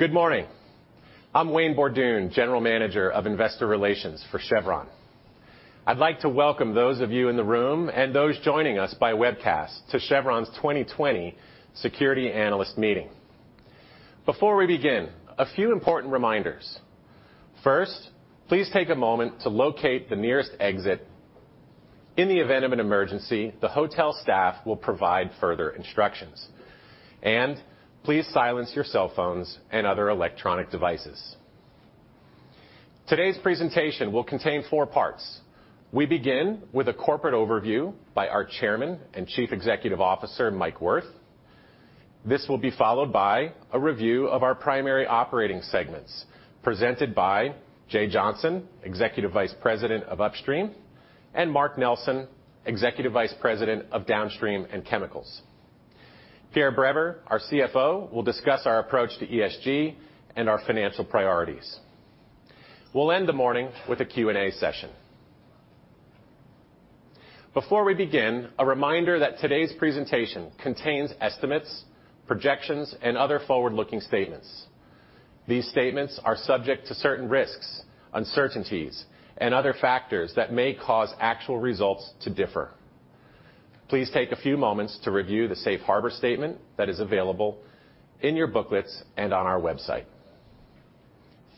Good morning. I'm Wayne Borduin, General Manager of Investor Relations for Chevron. I'd like to welcome those of you in the room, and those joining us by webcast, to Chevron's 2020 Security Analyst Meeting. Before we begin, a few important reminders. First, please take a moment to locate the nearest exit. In the event of an emergency, the hotel staff will provide further instructions. Please silence your cell phones and other electronic devices. Today's presentation will contain four parts. We begin with a corporate overview by our Chairman and Chief Executive Officer, Mike Wirth. This will be followed by a review of our primary operating segments presented by Jay Johnson, Executive Vice President of Upstream, and Mark Nelson, Executive Vice President of Downstream and Chemicals. Pierre Breber, our CFO, will discuss our approach to ESG and our financial priorities. We'll end the morning with a Q&A session. Before we begin, a reminder that today's presentation contains estimates, projections, and other forward-looking statements. These statements are subject to certain risks, uncertainties, and other factors that may cause actual results to differ. Please take a few moments to review the safe harbor statement that is available in your booklets and on our website.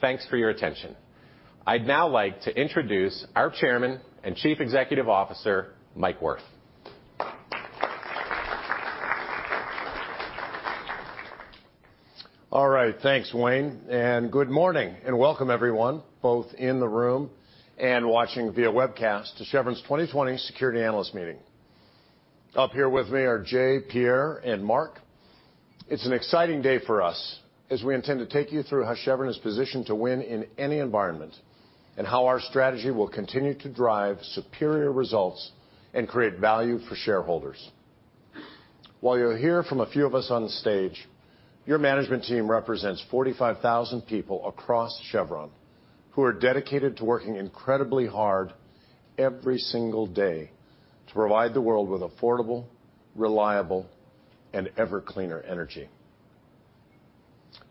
Thanks for your attention. I'd now like to introduce our Chairman and Chief Executive Officer, Mike Wirth. All right. Thanks, Wayne, and good morning, and welcome everyone, both in the room and watching via webcast, to Chevron's 2020 Security Analyst Meeting. Up here with me are Jay, Pierre, and Mark. It's an exciting day for us as we intend to take you through how Chevron is positioned to win in any environment, and how our strategy will continue to drive superior results and create value for shareholders. While you'll hear from a few of us on stage, your management team represents 45,000 people across Chevron who are dedicated to working incredibly hard every single day to provide the world with affordable, reliable, and ever-cleaner energy.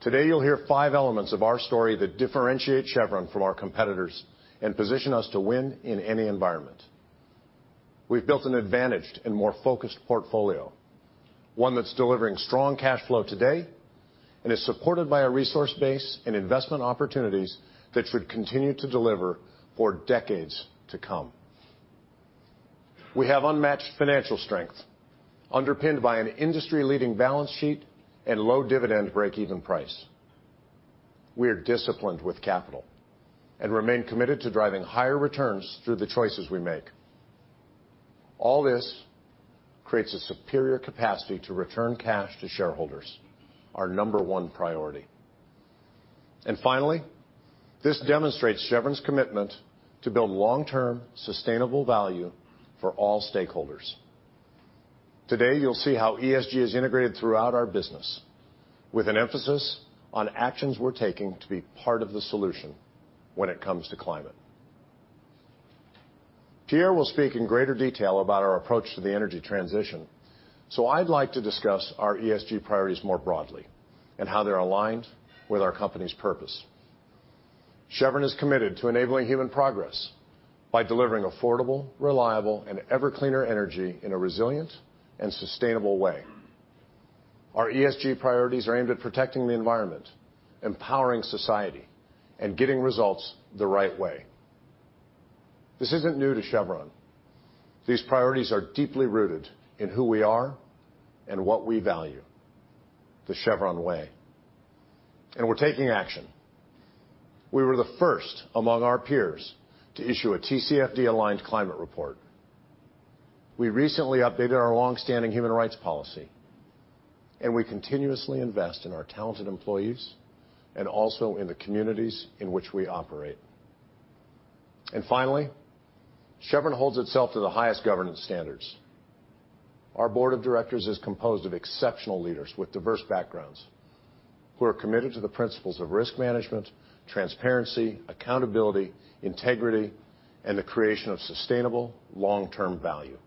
Today, you'll hear five elements of our story that differentiate Chevron from our competitors and position us to win in any environment. We've built an advantaged and more focused portfolio, one that's delivering strong cash flow today and is supported by a resource base and investment opportunities that should continue to deliver for decades to come. We have unmatched financial strength underpinned by an industry-leading balance sheet and low dividend breakeven price. We are disciplined with capital and remain committed to driving higher returns through the choices we make. All this creates a superior capacity to return cash to shareholders, our number one priority. Finally, this demonstrates Chevron's commitment to build long-term sustainable value for all stakeholders. Today, you'll see how ESG is integrated throughout our business with an emphasis on actions we're taking to be part of the solution when it comes to climate. Pierre will speak in greater detail about our approach to the energy transition, so I'd like to discuss our ESG priorities more broadly and how they're aligned with our company's purpose. Chevron is committed to enabling human progress by delivering affordable, reliable, and ever-cleaner energy in a resilient and sustainable way. Our ESG priorities are aimed at protecting the environment, empowering society, and getting results the right way. This isn't new to Chevron. These priorities are deeply rooted in who we are and what we value, the Chevron way. We're taking action. We were the first among our peers to issue a TCFD-aligned climate report. We recently updated our longstanding human rights policy, and we continuously invest in our talented employees and also in the communities in which we operate. Finally, Chevron holds itself to the highest governance standards. Our board of directors is composed of exceptional leaders with diverse backgrounds who are committed to the principles of risk management, transparency, accountability, integrity, and the creation of sustainable long-term value.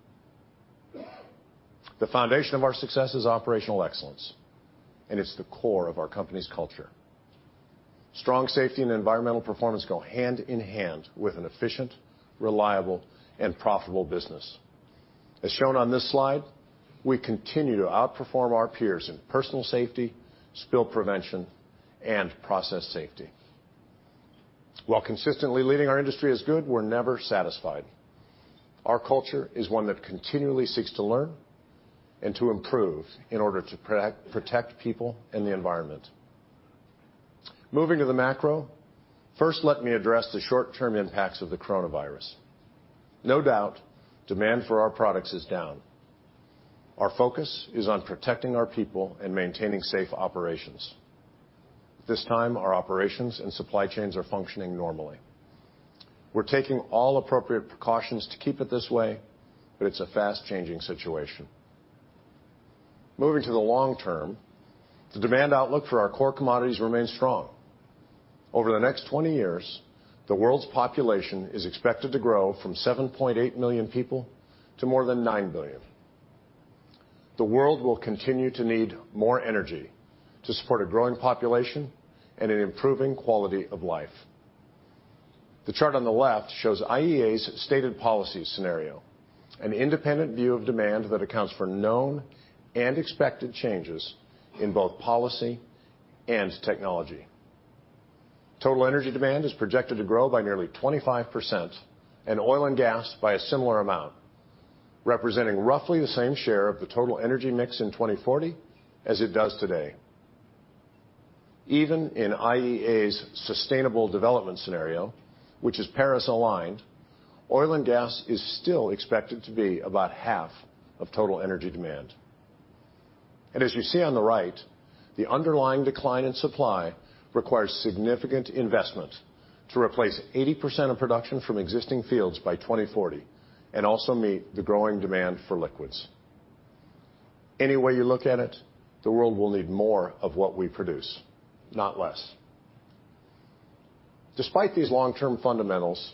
The foundation of our success is operational excellence, and it's the core of our company's culture. Strong safety and environmental performance go hand in hand with an efficient, reliable, and profitable business. As shown on this slide, we continue to outperform our peers in personal safety, spill prevention, and process safety. While consistently leading our industry is good, we're never satisfied. Our culture is one that continually seeks to learn and to improve in order to protect people and the environment. Moving to the macro, first, let me address the short-term impacts of the coronavirus. No doubt, demand for our products is down. Our focus is on protecting our people and maintaining safe operations. At this time, our operations and supply chains are functioning normally. We're taking all appropriate precautions to keep it this way, but it's a fast-changing situation. Moving to the long term, the demand outlook for our core commodities remains strong. Over the next 20 years, the world's population is expected to grow from 7.8 million people to more than 9 billion. The world will continue to need more energy to support a growing population and an improving quality of life. The chart on the left shows IEA's stated policy scenario, an independent view of demand that accounts for known and expected changes in both policy and technology. Total energy demand is projected to grow by nearly 25%, and oil and gas by a similar amount, representing roughly the same share of the total energy mix in 2040 as it does today. Even in IEA's sustainable development scenario, which is Paris-aligned, oil and gas is still expected to be about half of total energy demand. As you see on the right, the underlying decline in supply requires significant investment to replace 80% of production from existing fields by 2040, and also meet the growing demand for liquids. Any way you look at it, the world will need more of what we produce, not less. Despite these long-term fundamentals,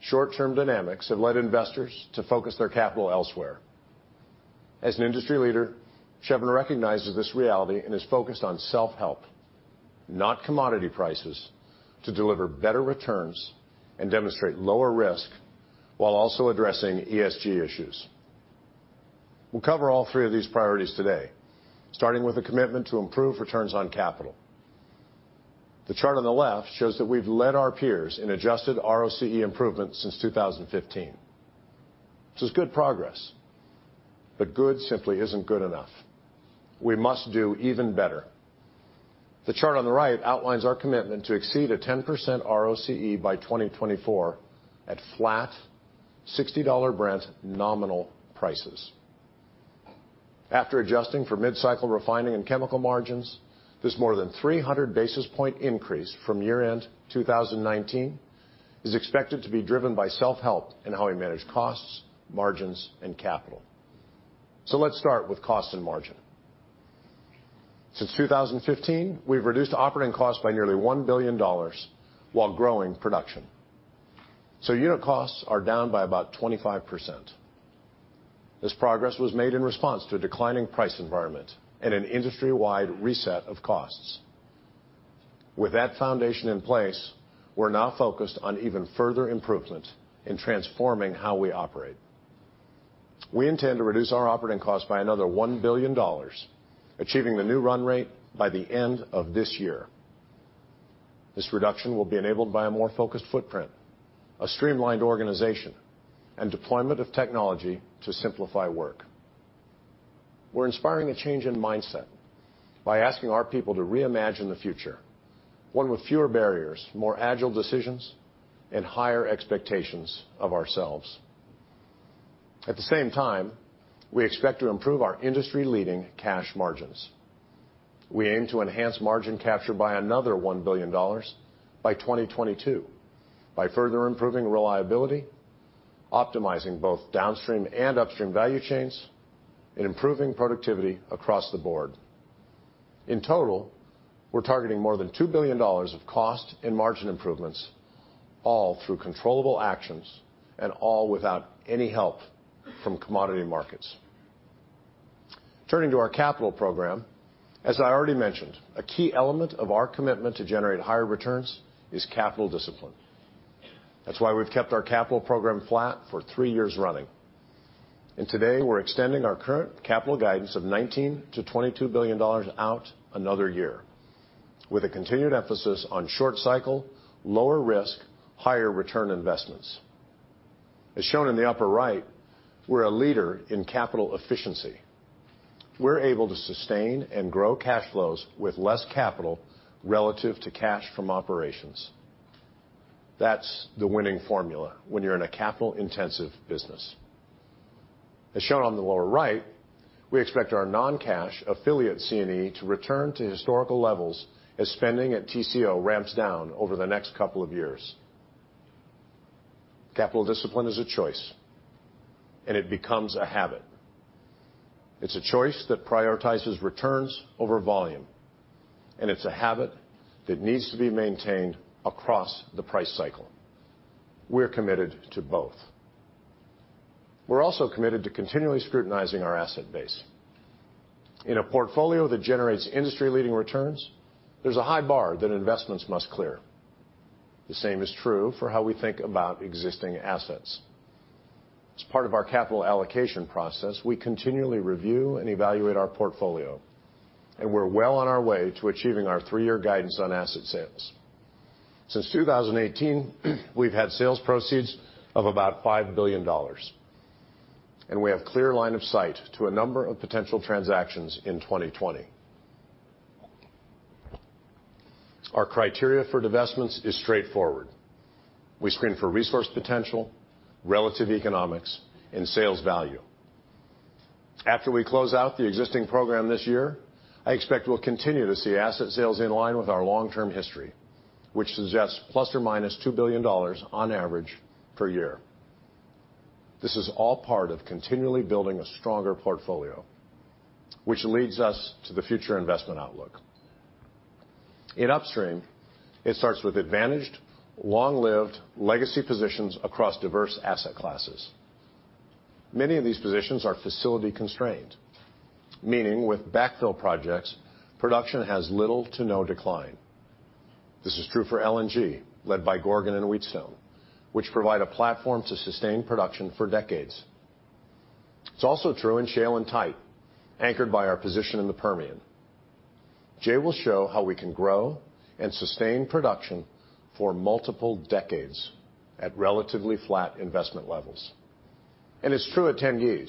short-term dynamics have led investors to focus their capital elsewhere. As an industry leader, Chevron recognizes this reality and is focused on self-help, not commodity prices, to deliver better returns and demonstrate lower risk while also addressing ESG issues. We'll cover all three of these priorities today, starting with a commitment to improve returns on capital. The chart on the left shows that we've led our peers in adjusted ROCE improvements since 2015. This is good progress, good simply isn't good enough. We must do even better. The chart on the right outlines our commitment to exceed a 10% ROCE by 2024 at flat $60 Brent nominal prices. After adjusting for mid-cycle refining and chemical margins, this more than 300 basis points increase from year-end 2019 is expected to be driven by self-help in how we manage costs, margins, and capital. Let's start with cost and margin. Since 2015, we've reduced operating costs by nearly $1 billion while growing production. Unit costs are down by about 25%. This progress was made in response to a declining price environment and an industry-wide reset of costs. With that foundation in place, we're now focused on even further improvement in transforming how we operate. We intend to reduce our operating cost by another $1 billion, achieving the new run rate by the end of this year. This reduction will be enabled by a more focused footprint, a streamlined organization, and deployment of technology to simplify work. We're inspiring a change in mindset by asking our people to reimagine the future. One with fewer barriers, more agile decisions, and higher expectations of ourselves. At the same time, we expect to improve our industry-leading cash margins. We aim to enhance margin capture by another $1 billion by 2022 by further improving reliability, optimizing both downstream and upstream value chains, and improving productivity across the board. In total, we're targeting more than $2 billion of cost and margin improvements, all through controllable actions, and all without any help from commodity markets. Turning to our capital program, as I already mentioned, a key element of our commitment to generate higher returns is capital discipline. That's why we've kept our capital program flat for three years running. Today, we're extending our current capital guidance of $19 billion-$22 billion out another year with a continued emphasis on short cycle, lower risk, higher return investments. As shown in the upper right, we're a leader in capital efficiency. We're able to sustain and grow cash flows with less capital relative to cash from operations. That's the winning formula when you're in a capital-intensive business. As shown on the lower right, we expect our non-cash affiliate C&E to return to historical levels as spending at TCO ramps down over the next couple of years. Capital discipline is a choice, it becomes a habit. It's a choice that prioritizes returns over volume, and it's a habit that needs to be maintained across the price cycle. We're committed to both. We're also committed to continually scrutinizing our asset base. In a portfolio that generates industry-leading returns, there's a high bar that investments must clear. The same is true for how we think about existing assets. As part of our capital allocation process, we continually review and evaluate our portfolio, and we're well on our way to achieving our three-year guidance on asset sales. Since 2018, we've had sales proceeds of about $5 billion. We have clear line of sight to a number of potential transactions in 2020. Our criteria for divestments is straightforward. We screen for resource potential, relative economics, and sales value. After we close out the existing program this year, I expect we'll continue to see asset sales in line with our long-term history, which suggests ±$2 billion on average per year. This is all part of continually building a stronger portfolio, which leads us to the future investment outlook. In upstream, it starts with advantaged, long-lived legacy positions across diverse asset classes. Many of these positions are facility constrained, meaning with backfill projects, production has little to no decline. This is true for LNG, led by Gorgon and Wheatstone, which provide a platform to sustain production for decades. It's also true in shale and tight, anchored by our position in the Permian. Jay will show how we can grow and sustain production for multiple decades at relatively flat investment levels. It's true at Tengiz,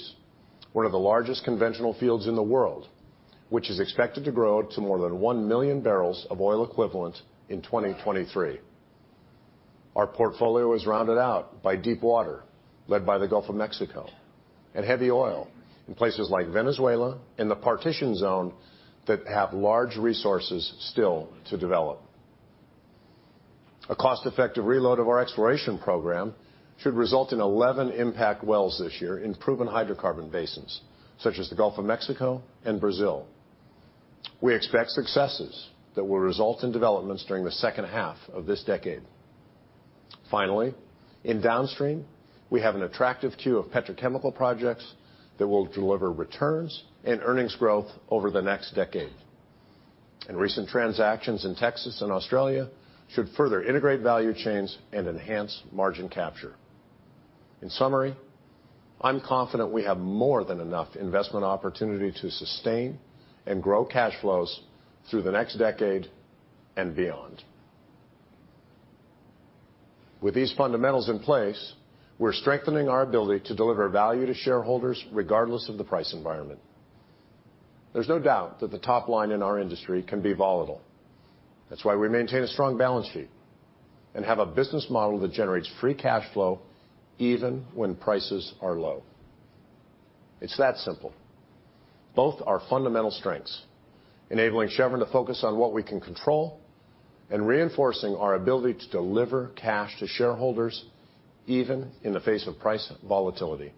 one of the largest conventional fields in the world, which is expected to grow to more than 1 million barrels of oil equivalent in 2023. Our portfolio is rounded out by deep water, led by the Gulf of Mexico, and heavy oil in places like Venezuela and the Partitioned Zone that have large resources still to develop. A cost-effective reload of our exploration program should result in 11 impact wells this year in proven hydrocarbon basins, such as the Gulf of Mexico and Brazil. We expect successes that will result in developments during the second half of this decade. Finally, in downstream, we have an attractive queue of petrochemical projects that will deliver returns and earnings growth over the next decade. Recent transactions in Texas and Australia should further integrate value chains and enhance margin capture. In summary, I'm confident we have more than enough investment opportunity to sustain and grow cash flows through the next decade and beyond. With these fundamentals in place, we're strengthening our ability to deliver value to shareholders regardless of the price environment. There's no doubt that the top line in our industry can be volatile. That's why we maintain a strong balance sheet and have a business model that generates free cash flow even when prices are low. It's that simple. Both are fundamental strengths, enabling Chevron to focus on what we can control and reinforcing our ability to deliver cash to shareholders even in the face of price volatility.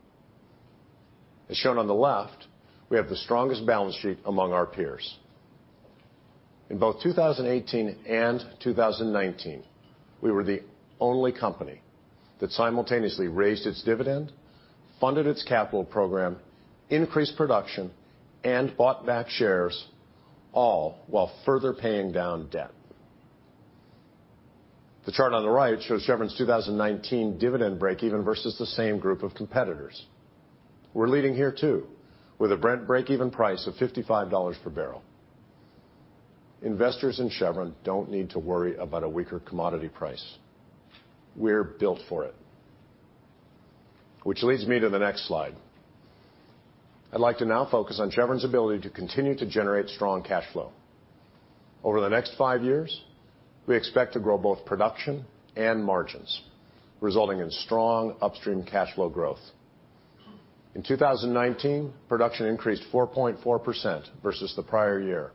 As shown on the left, we have the strongest balance sheet among our peers. In both 2018 and 2019, we were the only company that simultaneously raised its dividend, funded its capital program, increased production, and bought back shares, all while further paying down debt. The chart on the right shows Chevron's 2019 dividend breakeven versus the same group of competitors. We're leading here, too, with a Brent breakeven price of $55 per barrel. Investors in Chevron don't need to worry about a weaker commodity price. We're built for it. Which leads me to the next slide. I'd like to now focus on Chevron's ability to continue to generate strong cash flow. Over the next five years, we expect to grow both production and margins, resulting in strong upstream cash flow growth. In 2019, production increased 4.4% versus the prior year.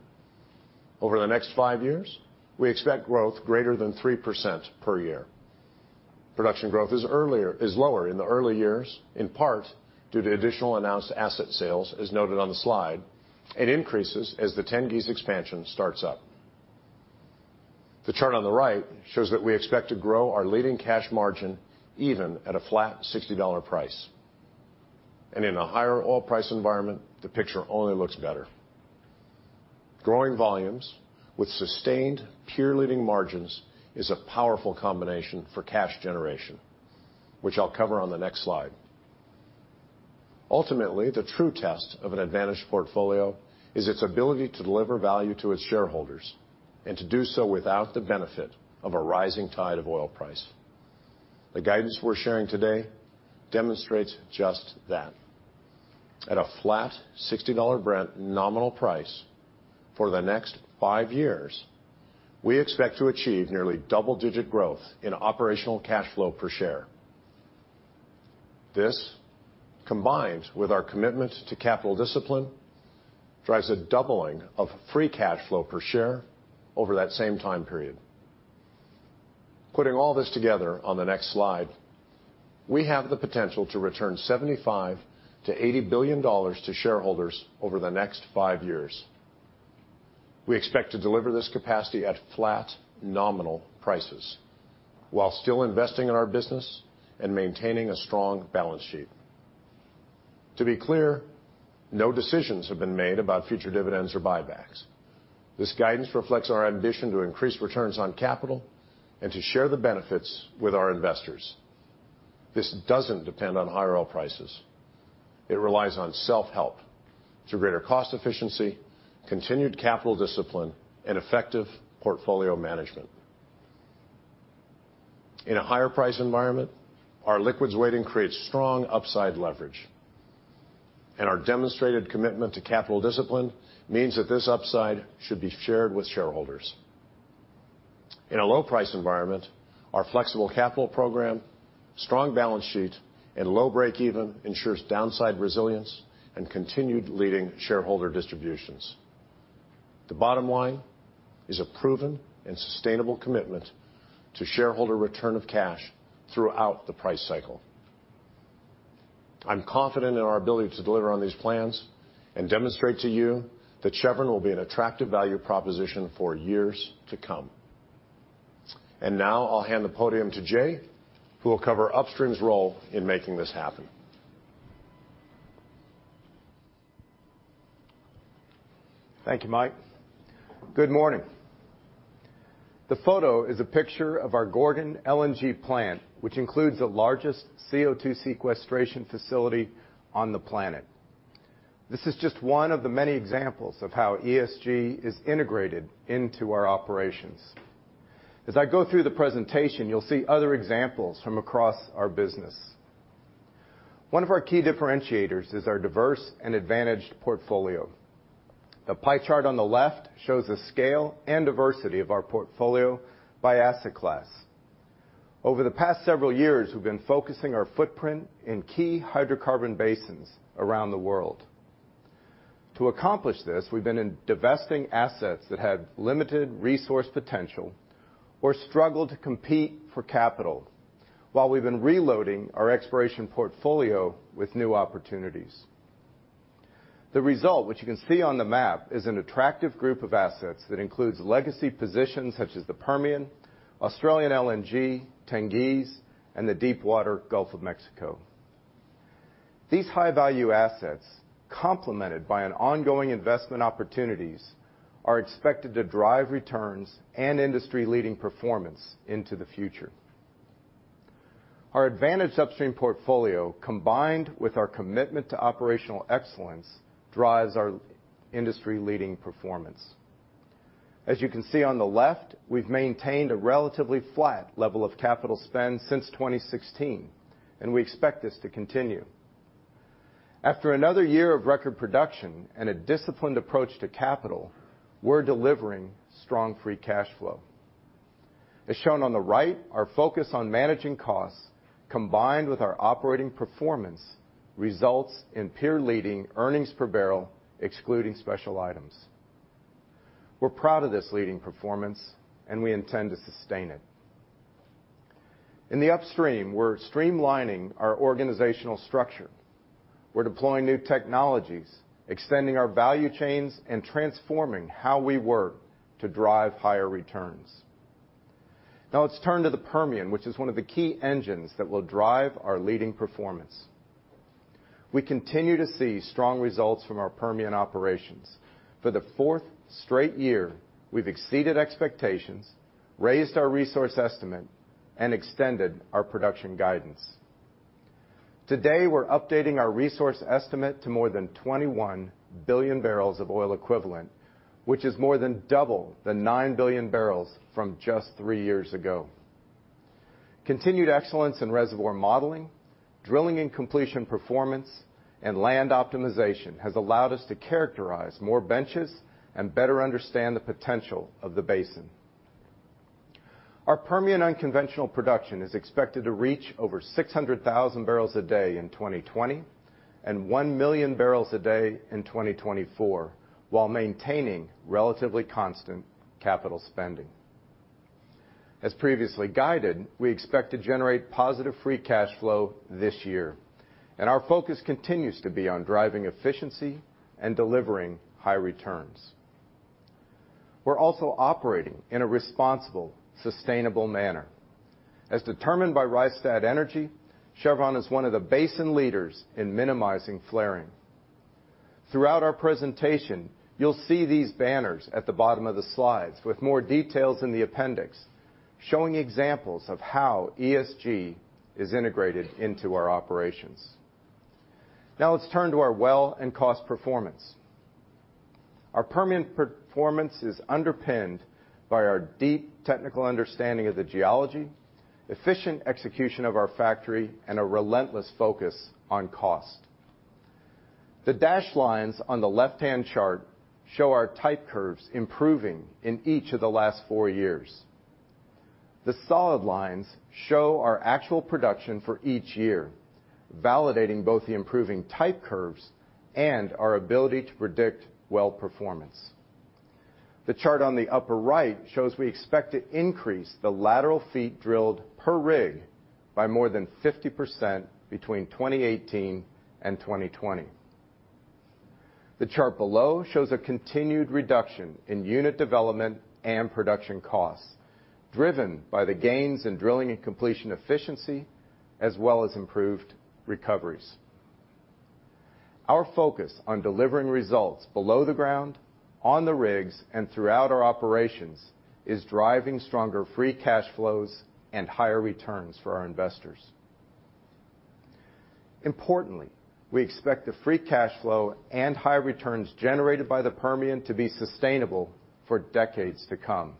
Over the next five years, we expect growth greater than 3% per year. Production growth is lower in the early years, in part due to additional announced asset sales, as noted on the slide. It increases as the Tengiz expansion starts up. The chart on the right shows that we expect to grow our leading cash margin even at a flat $60 price. In a higher oil price environment, the picture only looks better. Growing volumes with sustained peer-leading margins is a powerful combination for cash generation, which I'll cover on the next slide. Ultimately, the true test of an advantaged portfolio is its ability to deliver value to its shareholders and to do so without the benefit of a rising tide of oil price. The guidance we're sharing today demonstrates just that. At a flat $60 Brent nominal price for the next five years, we expect to achieve nearly double-digit growth in operational cash flow per share. This, combined with our commitment to capital discipline, drives a doubling of free cash flow per share over that same time period. Putting all this together on the next slide, we have the potential to return $75 billion-$80 billion to shareholders over the next five years. We expect to deliver this capacity at flat nominal prices while still investing in our business and maintaining a strong balance sheet. To be clear, no decisions have been made about future dividends or buybacks. This guidance reflects our ambition to increase returns on capital and to share the benefits with our investors. This doesn't depend on higher oil prices. It relies on self-help through greater cost efficiency, continued capital discipline, and effective portfolio management. In a higher price environment, our liquids weighting creates strong upside leverage. Our demonstrated commitment to capital discipline means that this upside should be shared with shareholders. In a low price environment, our flexible capital program, strong balance sheet, and low breakeven ensures downside resilience and continued leading shareholder distributions. The bottom line is a proven and sustainable commitment to shareholder return of cash throughout the price cycle. I'm confident in our ability to deliver on these plans and demonstrate to you that Chevron will be an attractive value proposition for years to come. Now I'll hand the podium to Jay, who will cover Upstream's role in making this happen. Thank you, Mike. Good morning. The photo is a picture of our Gorgon LNG plant, which includes the largest CO2 sequestration facility on the planet. This is just one of the many examples of how ESG is integrated into our operations. As I go through the presentation, you'll see other examples from across our business. One of our key differentiators is our diverse and advantaged portfolio. The pie chart on the left shows the scale and diversity of our portfolio by asset class. Over the past several years, we've been focusing our footprint in key hydrocarbon basins around the world. To accomplish this, we've been divesting assets that had limited resource potential or struggled to compete for capital, while we've been reloading our exploration portfolio with new opportunities. The result, which you can see on the map, is an attractive group of assets that includes legacy positions such as the Permian, Australian LNG, Tengiz, and the Deepwater Gulf of Mexico. These high-value assets, complemented by an ongoing investment opportunities, are expected to drive returns and industry-leading performance into the future. Our advantage upstream portfolio, combined with our commitment to operational excellence, drives our industry-leading performance. As you can see on the left, we've maintained a relatively flat level of capital spend since 2016, and we expect this to continue. After another year of record production and a disciplined approach to capital, we're delivering strong free cash flow. As shown on the right, our focus on managing costs, combined with our operating performance, results in peer-leading earnings per barrel, excluding special items. We're proud of this leading performance, and we intend to sustain it. In the upstream, we're streamlining our organizational structure. We're deploying new technologies, extending our value chains, and transforming how we work to drive higher returns. Now let's turn to the Permian, which is one of the key engines that will drive our leading performance. We continue to see strong results from our Permian operations. For the fourth straight year, we've exceeded expectations, raised our resource estimate, and extended our production guidance. Today, we're updating our resource estimate to more than 21 billion barrels of oil equivalent, which is more than double the 9 billion barrels from just three years ago. Continued excellence in reservoir modeling, drilling and completion performance, and land optimization has allowed us to characterize more benches and better understand the potential of the basin. Our Permian unconventional production is expected to reach over 600,000 barrels a day in 2020 and 1 million barrels a day in 2024, while maintaining relatively constant capital spending. As previously guided, we expect to generate positive free cash flow this year, and our focus continues to be on driving efficiency and delivering high returns. We're also operating in a responsible, sustainable manner. As determined by Rystad Energy, Chevron is one of the basin leaders in minimizing flaring. Throughout our presentation, you'll see these banners at the bottom of the slides with more details in the appendix, showing examples of how ESG is integrated into our operations. Now let's turn to our well and cost performance. Our Permian performance is underpinned by our deep technical understanding of the geology, efficient execution of our factory, and a relentless focus on cost. The dashed lines on the left-hand chart show our type curves improving in each of the last four years. The solid lines show our actual production for each year, validating both the improving type curves and our ability to predict well performance. The chart on the upper right shows we expect to increase the lateral feet drilled per rig by more than 50% between 2018 and 2020. The chart below shows a continued reduction in unit development and production costs, driven by the gains in drilling and completion efficiency, as well as improved recoveries. Our focus on delivering results below the ground, on the rigs, and throughout our operations is driving stronger free cash flows and higher returns for our investors. Importantly, we expect the free cash flow and high returns generated by the Permian to be sustainable for decades to come.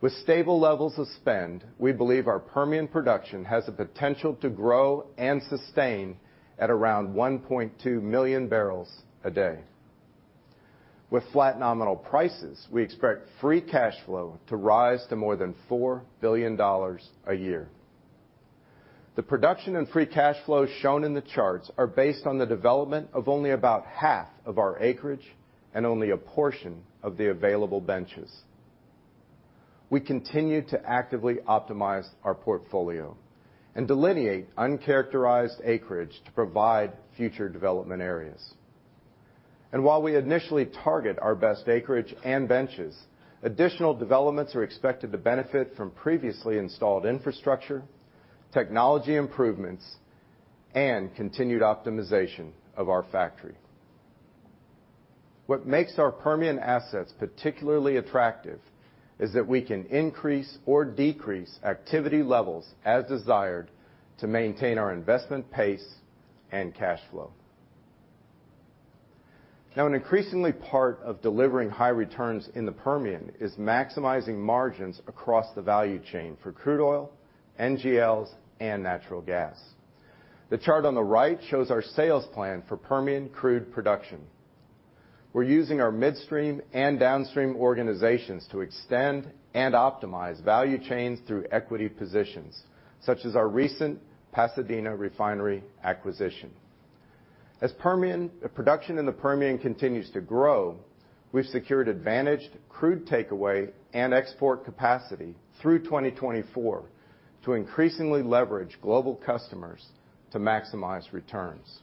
With stable levels of spend, we believe our Permian production has the potential to grow and sustain at around 1.2 million barrels a day. With flat nominal prices, we expect free cash flow to rise to more than $4 billion a year. The production and free cash flow shown in the charts are based on the development of only about half of our acreage and only a portion of the available benches. We continue to actively optimize our portfolio and delineate uncharacterized acreage to provide future development areas. While we initially target our best acreage and benches, additional developments are expected to benefit from previously installed infrastructure, technology improvements, and continued optimization of our factory. What makes our Permian assets particularly attractive is that we can increase or decrease activity levels as desired to maintain our investment pace and cash flow. Now, an increasingly part of delivering high returns in the Permian is maximizing margins across the value chain for crude oil, NGLs, and natural gas. The chart on the right shows our sales plan for Permian crude production. We're using our midstream and downstream organizations to extend and optimize value chains through equity positions, such as our recent Pasadena Refinery acquisition. As production in the Permian continues to grow, we've secured advantaged crude takeaway and export capacity through 2024 to increasingly leverage global customers to maximize returns.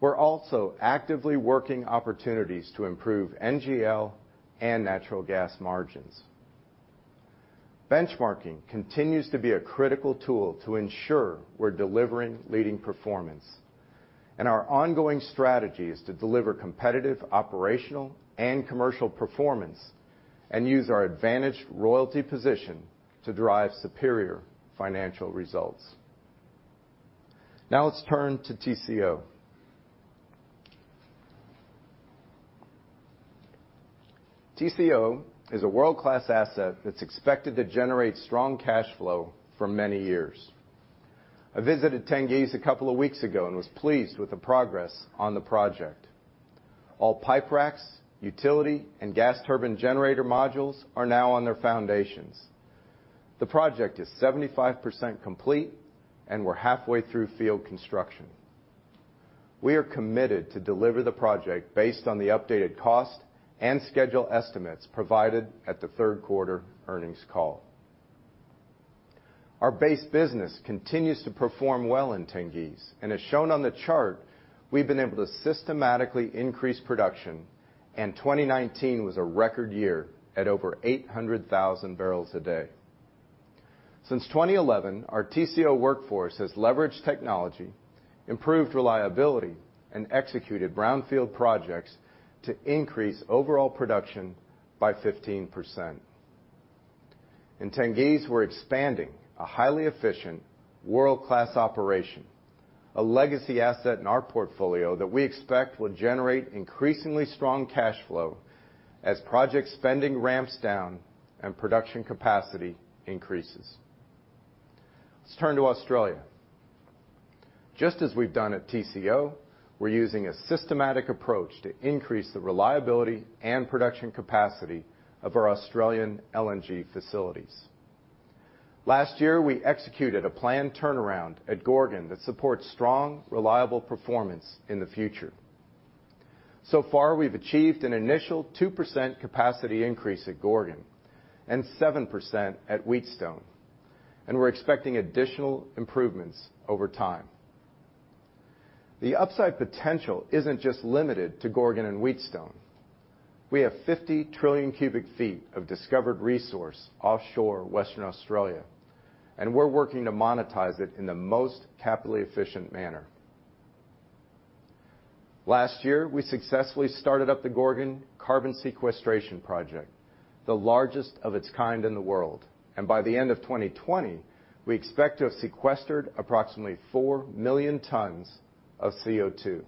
We're also actively working opportunities to improve NGL and natural gas margins. Benchmarking continues to be a critical tool to ensure we're delivering leading performance, and our ongoing strategy is to deliver competitive operational and commercial performance and use our advantaged royalty position to drive superior financial results. Now let's turn to TCO. TCO is a world-class asset that's expected to generate strong cash flow for many years. I visited Tengiz a couple of weeks ago and was pleased with the progress on the project. All pipe racks, utility, and gas turbine generator modules are now on their foundations. The project is 75% complete, and we're halfway through field construction. We are committed to deliver the project based on the updated cost and schedule estimates provided at the third quarter earnings call. Our base business continues to perform well in Tengiz, as shown on the chart, we've been able to systematically increase production, and 2019 was a record year at over 800,000 barrels a day. Since 2011, our TCO workforce has leveraged technology, improved reliability, and executed brownfield projects to increase overall production by 15%. In Tengiz, we're expanding a highly efficient world-class operation, a legacy asset in our portfolio that we expect will generate increasingly strong cash flow as project spending ramps down and production capacity increases. Let's turn to Australia. Just as we've done at TCO, we're using a systematic approach to increase the reliability and production capacity of our Australian LNG facilities. Last year, we executed a planned turnaround at Gorgon that supports strong, reliable performance in the future. So far, we've achieved an initial 2% capacity increase at Gorgon and 7% at Wheatstone, and we're expecting additional improvements over time. The upside potential isn't just limited to Gorgon and Wheatstone. We have 50 trillion cubic feet of discovered resource offshore Western Australia, and we're working to monetize it in the most capitally efficient manner. Last year, we successfully started up the Gorgon Carbon Sequestration Project, the largest of its kind in the world. By the end of 2020, we expect to have sequestered approximately 4 million tons of CO2.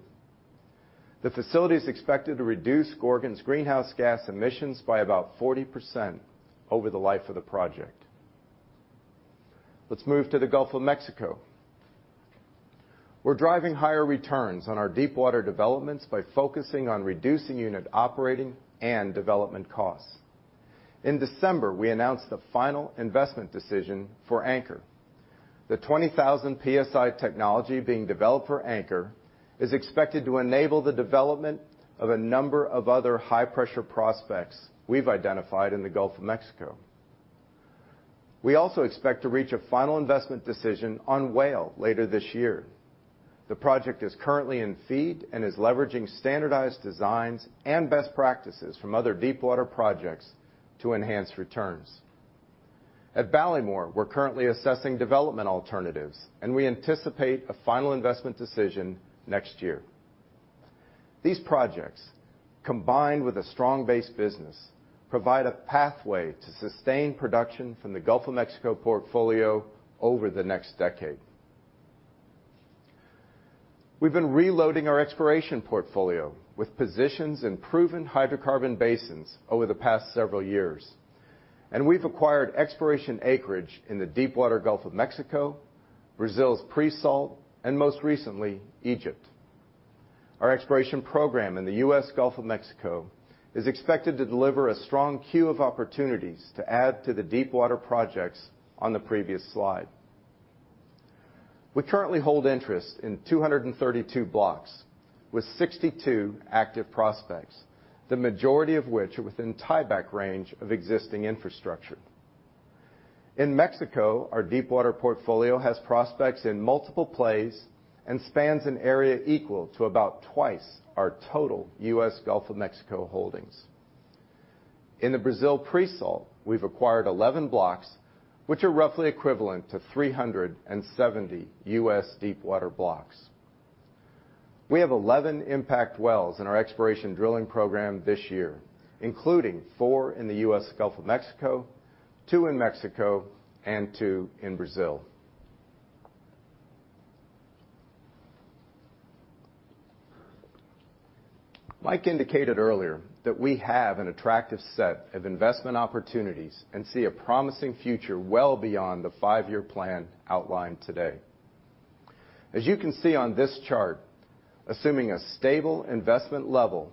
The facility is expected to reduce Gorgon's greenhouse gas emissions by about 40% over the life of the project. Let's move to the Gulf of Mexico. We're driving higher returns on our deepwater developments by focusing on reducing unit operating and development costs. In December, we announced the final investment decision for Anchor. The 20,000 PSI technology being developed for Anchor is expected to enable the development of a number of other high-pressure prospects we've identified in the Gulf of Mexico. We also expect to reach a final investment decision on Whale later this year. The project is currently in FEED and is leveraging standardized designs and best practices from other deepwater projects to enhance returns. At Ballymore, we're currently assessing development alternatives, and we anticipate a final investment decision next year. These projects, combined with a strong base business, provide a pathway to sustained production from the Gulf of Mexico portfolio over the next decade. We've been reloading our exploration portfolio with positions in proven hydrocarbon basins over the past several years, and we've acquired exploration acreage in the deepwater Gulf of Mexico, Brazil's pre-salt, and most recently, Egypt. Our exploration program in the U.S. Gulf of Mexico is expected to deliver a strong queue of opportunities to add to the deepwater projects on the previous slide. We currently hold interest in 232 blocks with 62 active prospects, the majority of which are within tieback range of existing infrastructure. In Mexico, our deepwater portfolio has prospects in multiple plays and spans an area equal to about twice our total U.S. Gulf of Mexico holdings. In the Brazil pre-salt, we've acquired 11 blocks, which are roughly equivalent to 370 U.S. deepwater blocks. We have 11 impact wells in our exploration drilling program this year, including four in the U.S. Gulf of Mexico, two in Mexico, and two in Brazil. Mike indicated earlier that we have an attractive set of investment opportunities and see a promising future well beyond the five-year plan outlined today. As you can see on this chart, assuming a stable investment level,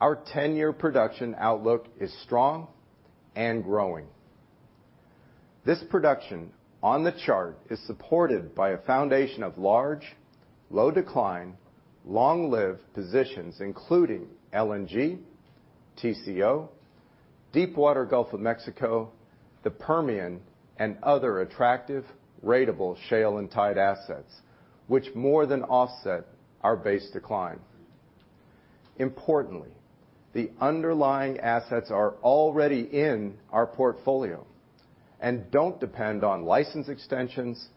our 10-year production outlook is strong and growing. This production on the chart is supported by a foundation of large, low-decline, long-lived positions, including LNG, TCO, deepwater Gulf of Mexico, the Permian, and other attractive ratable shale and tight assets, which more than offset our base decline. Importantly, the underlying assets are already in our portfolio and don't depend on license extensions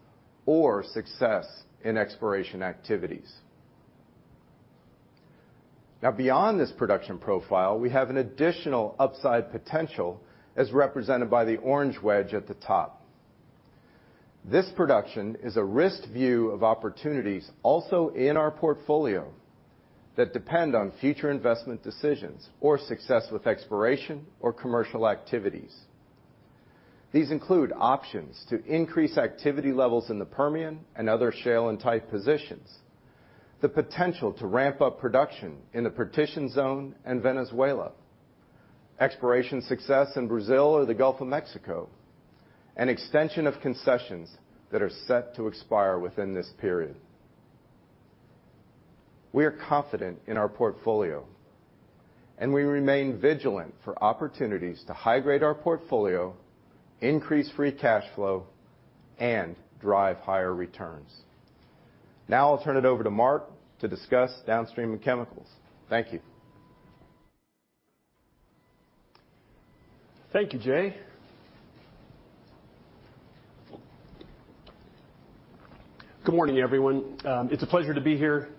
or success in exploration activities. Now beyond this production profile, we have an additional upside potential as represented by the orange wedge at the top. This production is a risked view of opportunities also in our portfolio that depend on future investment decisions or success with exploration or commercial activities. These include options to increase activity levels in the Permian and other shale and tight positions, the potential to ramp up production in the Partitioned Zone and Venezuela, exploration success in Brazil or the Gulf of Mexico, and extension of concessions that are set to expire within this period. We are confident in our portfolio, and we remain vigilant for opportunities to high-grade our portfolio, increase free cash flow, and drive higher returns. I'll turn it over to Mark to discuss Downstream and Chemicals. Thank you. Thank you, Jay. Good morning, everyone. It's a pleasure to be here,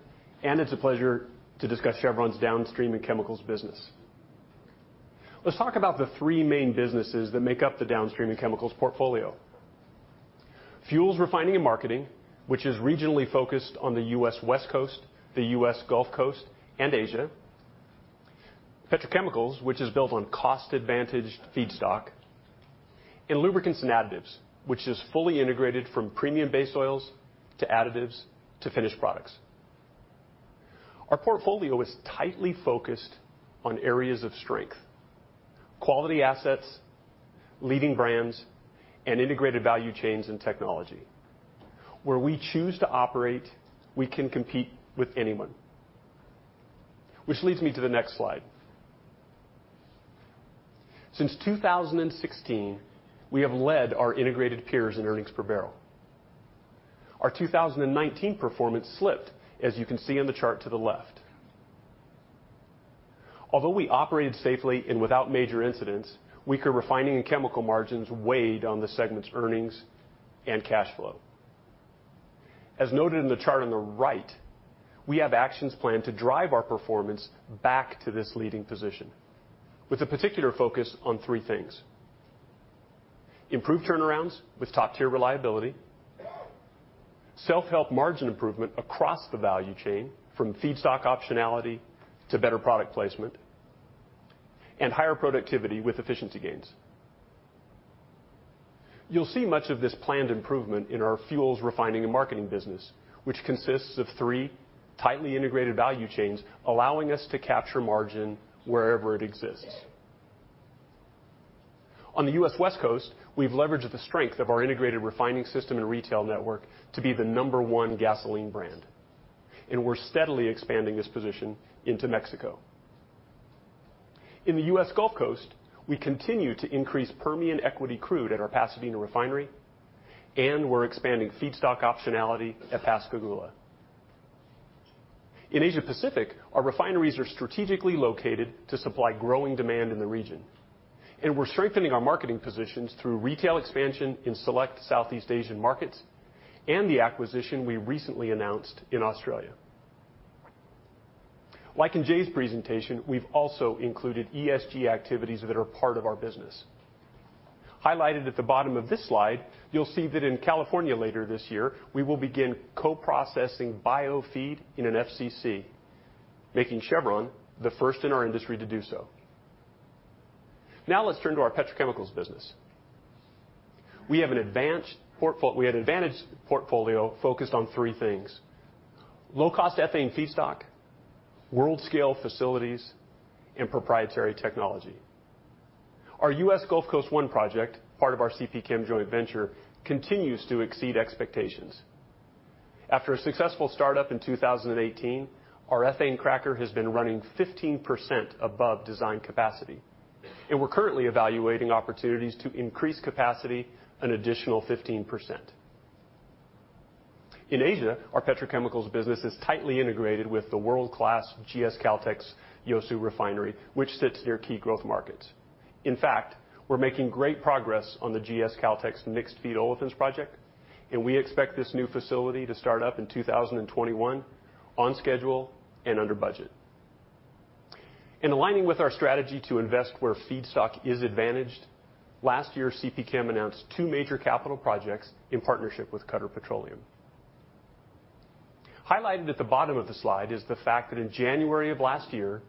and it's a pleasure to discuss Chevron's Downstream & Chemicals business. Let's talk about the three main businesses that make up the Downstream & Chemicals portfolio. Fuels Refining and Marketing, which is regionally focused on the U.S. West Coast, the U.S. Gulf Coast, and Asia. Petrochemicals, which is built on cost-advantaged feedstock. Lubricants and Additives, which is fully integrated from premium base oils to additives to finished products. Our portfolio is tightly focused on areas of strength, quality assets, leading brands, and integrated value chains and technology. Where we choose to operate, we can compete with anyone. Which leads me to the next slide. Since 2016, we have led our integrated peers in earnings per barrel. Our 2019 performance slipped, as you can see in the chart to the left. Although we operated safely and without major incidents, weaker refining and chemical margins weighed on the segment's earnings and cash flow. As noted in the chart on the right, we have actions planned to drive our performance back to this leading position with a particular focus on three things. Improved turnarounds with top-tier reliability, self-help margin improvement across the value chain from feedstock optionality to better product placement, and higher productivity with efficiency gains. You'll see much of this planned improvement in our Fuels Refining and Marketing business, which consists of three tightly integrated value chains, allowing us to capture margin wherever it exists. On the U.S. West Coast, we've leveraged the strength of our integrated refining system and retail network to be the number one gasoline brand, and we're steadily expanding this position into Mexico. In the U.S. Gulf Coast, we continue to increase Permian equity crude at our Pasadena Refinery, We're expanding feedstock optionality at Pascagoula. In Asia Pacific, our refineries are strategically located to supply growing demand in the region, We're strengthening our marketing positions through retail expansion in select Southeast Asian markets and the acquisition we recently announced in Australia. Like in Jay's presentation, we've also included ESG activities that are part of our business. Highlighted at the bottom of this slide, you'll see that in California later this year, we will begin co-processing biofeed in an FCC, making Chevron the first in our industry to do so. Let's turn to our petrochemicals business. We have an advantaged portfolio focused on three things: low cost ethane feedstock, world-scale facilities, and proprietary technology. Our U.S. Gulf Coast One project, part of our CPChem joint venture, continues to exceed expectations. After a successful startup in 2018, our ethane cracker has been running 15% above design capacity, and we're currently evaluating opportunities to increase capacity an additional 15%. In Asia, our petrochemicals business is tightly integrated with the world-class GS Caltex Yeosu Refinery, which sits near key growth markets. In fact, we're making great progress on the GS Caltex mixed feed olefins project, and we expect this new facility to start up in 2021 on schedule and under budget. In aligning with our strategy to invest where feedstock is advantaged, last year CPChem announced two major capital projects in partnership with Qatar Petroleum. Highlighted at the bottom of the slide is the fact that in January of last year,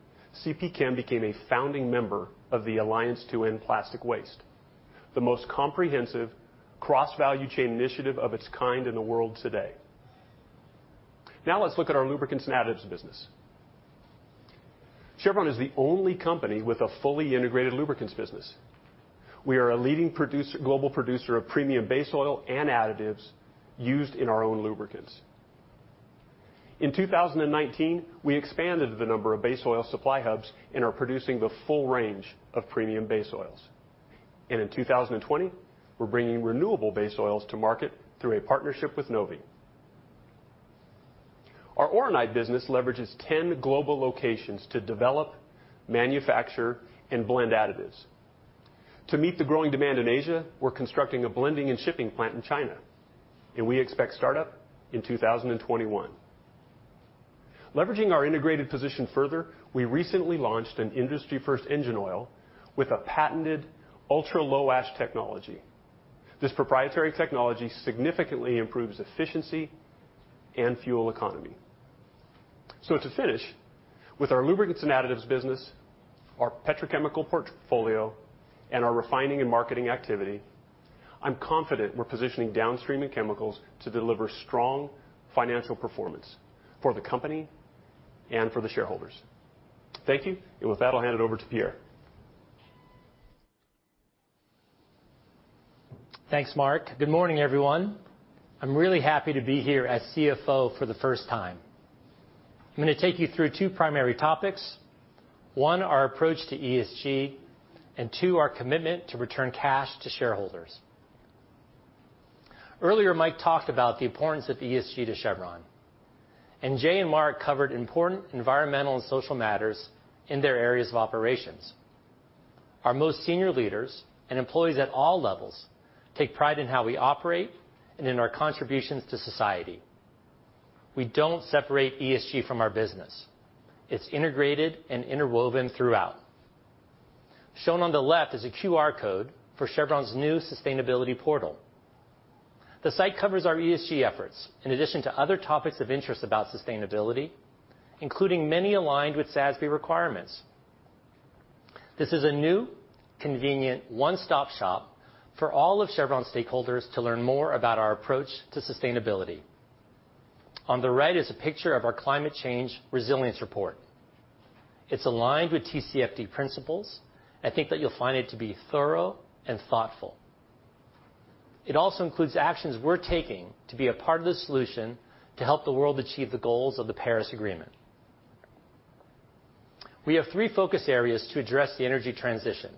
CPChem became a founding member of the Alliance to End Plastic Waste, the most comprehensive cross-value chain initiative of its kind in the world today. Let's look at our lubricants and additives business. Chevron is the only company with a fully integrated lubricants business. We are a leading global producer of premium base oil and additives used in our own lubricants. In 2019, we expanded the number of base oil supply hubs and are producing the full range of premium base oils. In 2020, we're bringing renewable base oils to market through a partnership with Novvi. Our Oronite business leverages 10 global locations to develop, manufacture, and blend additives. To meet the growing demand in Asia, we're constructing a blending and shipping plant in China. We expect startup in 2021. Leveraging our integrated position further, we recently launched an industry first engine oil with a patented ultra low ash technology. This proprietary technology significantly improves efficiency and fuel economy. To finish, with our lubricants and additives business, our petrochemical portfolio, and our refining and marketing activity, I'm confident we're positioning Downstream & Chemicals to deliver strong financial performance for the company and for the shareholders. Thank you. With that, I'll hand it over to Pierre. Thanks, Mark. Good morning, everyone. I'm really happy to be here as CFO for the first time. I'm going to take you through two primary topics. One, our approach to ESG, and two, our commitment to return cash to shareholders. Earlier, Mike talked about the importance of ESG to Chevron, and Jay and Mark covered important environmental and social matters in their areas of operations. Our most senior leaders and employees at all levels take pride in how we operate and in our contributions to society. We don't separate ESG from our business. It's integrated and interwoven throughout. Shown on the left is a QR code for Chevron's new sustainability portal. The site covers our ESG efforts, in addition to other topics of interest about sustainability, including many aligned with SASB requirements. This is a new, convenient one-stop shop for all of Chevron stakeholders to learn more about our approach to sustainability. On the right is a picture of our climate change resilience report. It's aligned with TCFD principles. I think that you'll find it to be thorough and thoughtful. It also includes actions we're taking to be a part of the solution to help the world achieve the goals of the Paris Agreement. We have three focus areas to address the energy transition,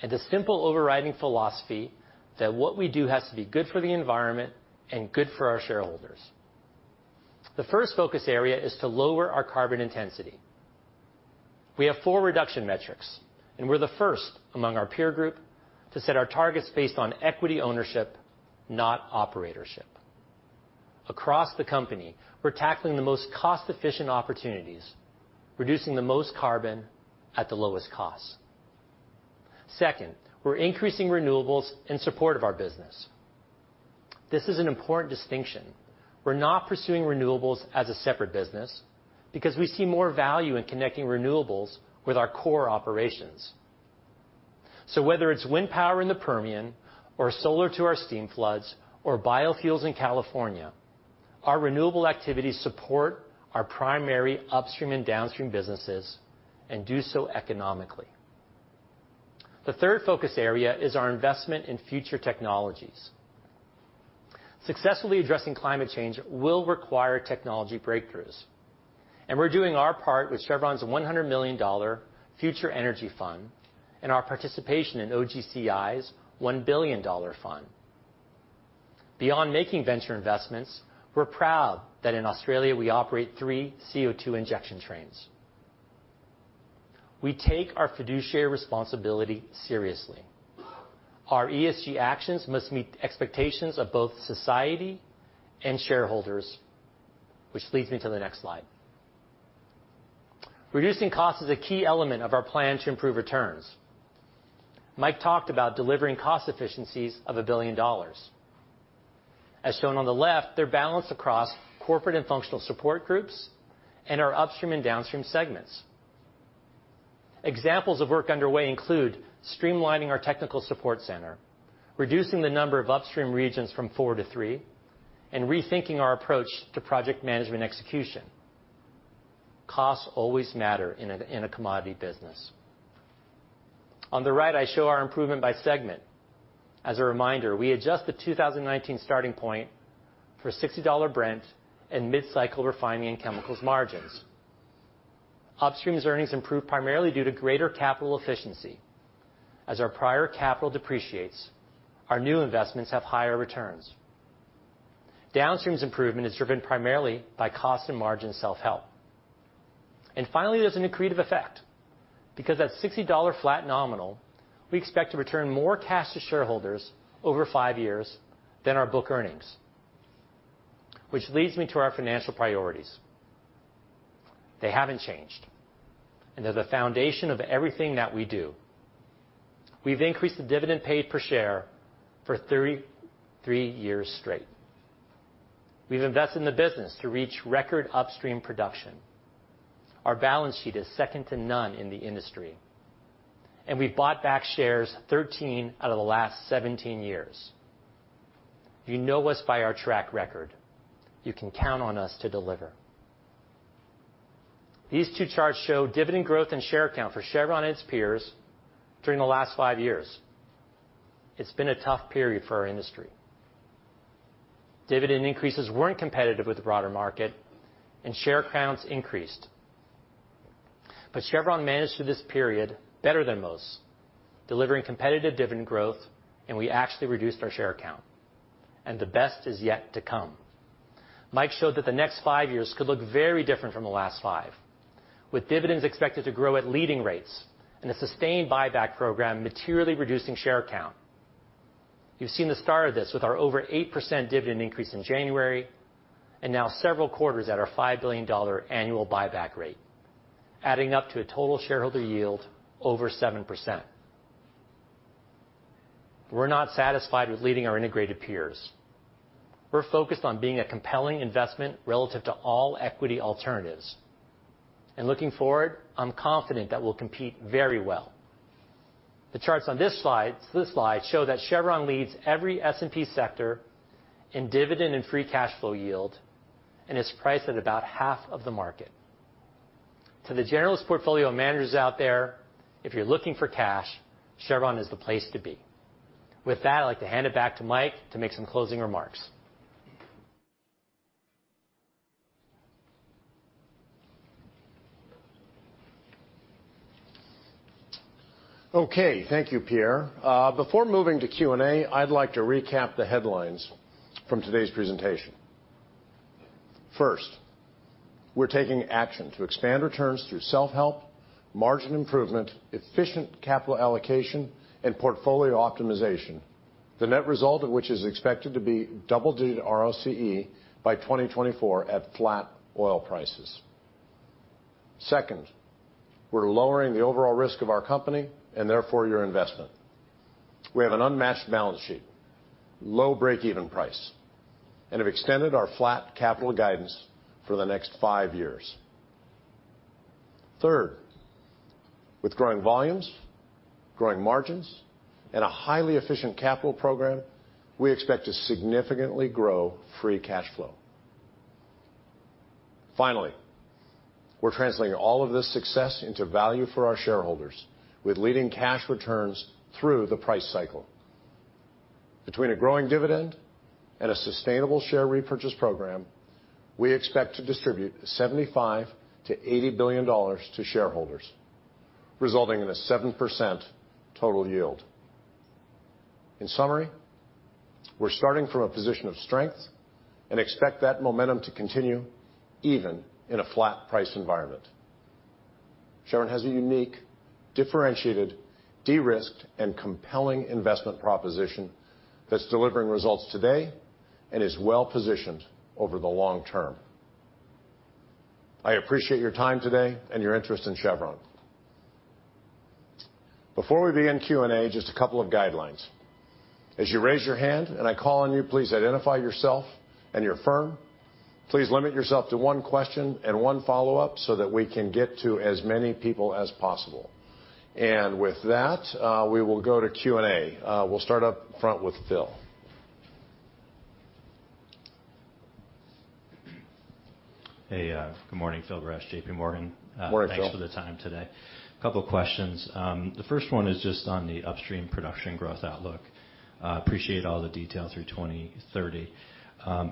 and a simple overriding philosophy that what we do has to be good for the environment and good for our shareholders. The first focus area is to lower our carbon intensity. We have four reduction metrics, and we're the first among our peer group to set our targets based on equity ownership, not operatorship. Across the company, we're tackling the most cost-efficient opportunities, reducing the most carbon at the lowest cost. Second, we're increasing renewables in support of our business. This is an important distinction. We're not pursuing renewables as a separate business because we see more value in connecting renewables with our core operations. Whether it's wind power in the Permian or solar to our steam floods or biofuels in California, our renewable activities support our primary upstream and downstream businesses and do so economically. The third focus area is our investment in future technologies. Successfully addressing climate change will require technology breakthroughs, and we're doing our part with Chevron's $100 million future energy fund and our participation in OGCI's $1 billion fund. Beyond making venture investments, we're proud that in Australia we operate three CO2 injection trains. We take our fiduciary responsibility seriously. Our ESG actions must meet expectations of both society and shareholders, which leads me to the next slide. Reducing cost is a key element of our plan to improve returns. Mike talked about delivering cost efficiencies of $1 billion. As shown on the left, they're balanced across corporate and functional support groups and our upstream and downstream segments. Examples of work underway include streamlining our technical support center, reducing the number of upstream regions from four to three, and rethinking our approach to project management execution. Costs always matter in a commodity business. On the right, I show our improvement by segment. As a reminder, we adjust the 2019 starting point for $60 Brent and mid-cycle refining and chemicals margins. Upstream's earnings improved primarily due to greater capital efficiency. As our prior capital depreciates, our new investments have higher returns. Downstream's improvement is driven primarily by cost and margin self-help. Finally, there's an accretive effect. Because at $60 flat nominal, we expect to return more cash to shareholders over five years than our book earnings. Which leads me to our financial priorities. They haven't changed, and they're the foundation of everything that we do. We've increased the dividend paid per share for 33 years straight. We've invested in the business to reach record upstream production. Our balance sheet is second to none in the industry. We've bought back shares 13 out of the last 17 years. You know us by our track record. You can count on us to deliver. These two charts show dividend growth and share count for Chevron and its peers during the last five years. It's been a tough period for our industry. Dividend increases weren't competitive with the broader market, and share counts increased. Chevron managed through this period better than most, delivering competitive dividend growth, and we actually reduced our share count, and the best is yet to come. Mike showed that the next five years could look very different from the last five, with dividends expected to grow at leading rates and a sustained buyback program materially reducing share count. You've seen the start of this with our over 8% dividend increase in January, and now several quarters at our $5 billion annual buyback rate, adding up to a total shareholder yield over 7%. We're not satisfied with leading our integrated peers. We're focused on being a compelling investment relative to all equity alternatives. Looking forward, I'm confident that we'll compete very well. The charts on this slide show that Chevron leads every S&P sector in dividend and free cash flow yield and is priced at about half of the market. To the generalist portfolio managers out there, if you're looking for cash, Chevron is the place to be. With that, I'd like to hand it back to Mike to make some closing remarks. Okay. Thank you, Pierre. Before moving to Q&A, I'd like to recap the headlines from today's presentation. First, we're taking action to expand returns through self-help, margin improvement, efficient capital allocation, and portfolio optimization, the net result of which is expected to be double-digit ROCE by 2024 at flat oil prices. Second, we're lowering the overall risk of our company and therefore your investment. We have an unmatched balance sheet, low breakeven price, and have extended our flat capital guidance for the next five years. Third, with growing volumes, growing margins, and a highly efficient capital program, we expect to significantly grow free cash flow. Finally, we're translating all of this success into value for our shareholders with leading cash returns through the price cycle. Between a growing dividend and a sustainable share repurchase program, we expect to distribute $75 billion-$80 billion to shareholders, resulting in a 7% total yield. In summary, we're starting from a position of strength and expect that momentum to continue even in a flat price environment. Chevron has a unique, differentiated, de-risked, and compelling investment proposition that's delivering results today and is well-positioned over the long term. I appreciate your time today and your interest in Chevron. Before we begin Q&A, just a couple of guidelines. As you raise your hand and I call on you, please identify yourself and your firm. Please limit yourself to one question and one follow-up so that we can get to as many people as possible. With that, we will go to Q&A. We'll start up front with Phil. Hey, good morning. Phil Gresh, JPMorgan. Morning, Phil. Thanks for the time today. Couple questions. The first one is just on the upstream production growth outlook. Appreciate all the detail through 2030.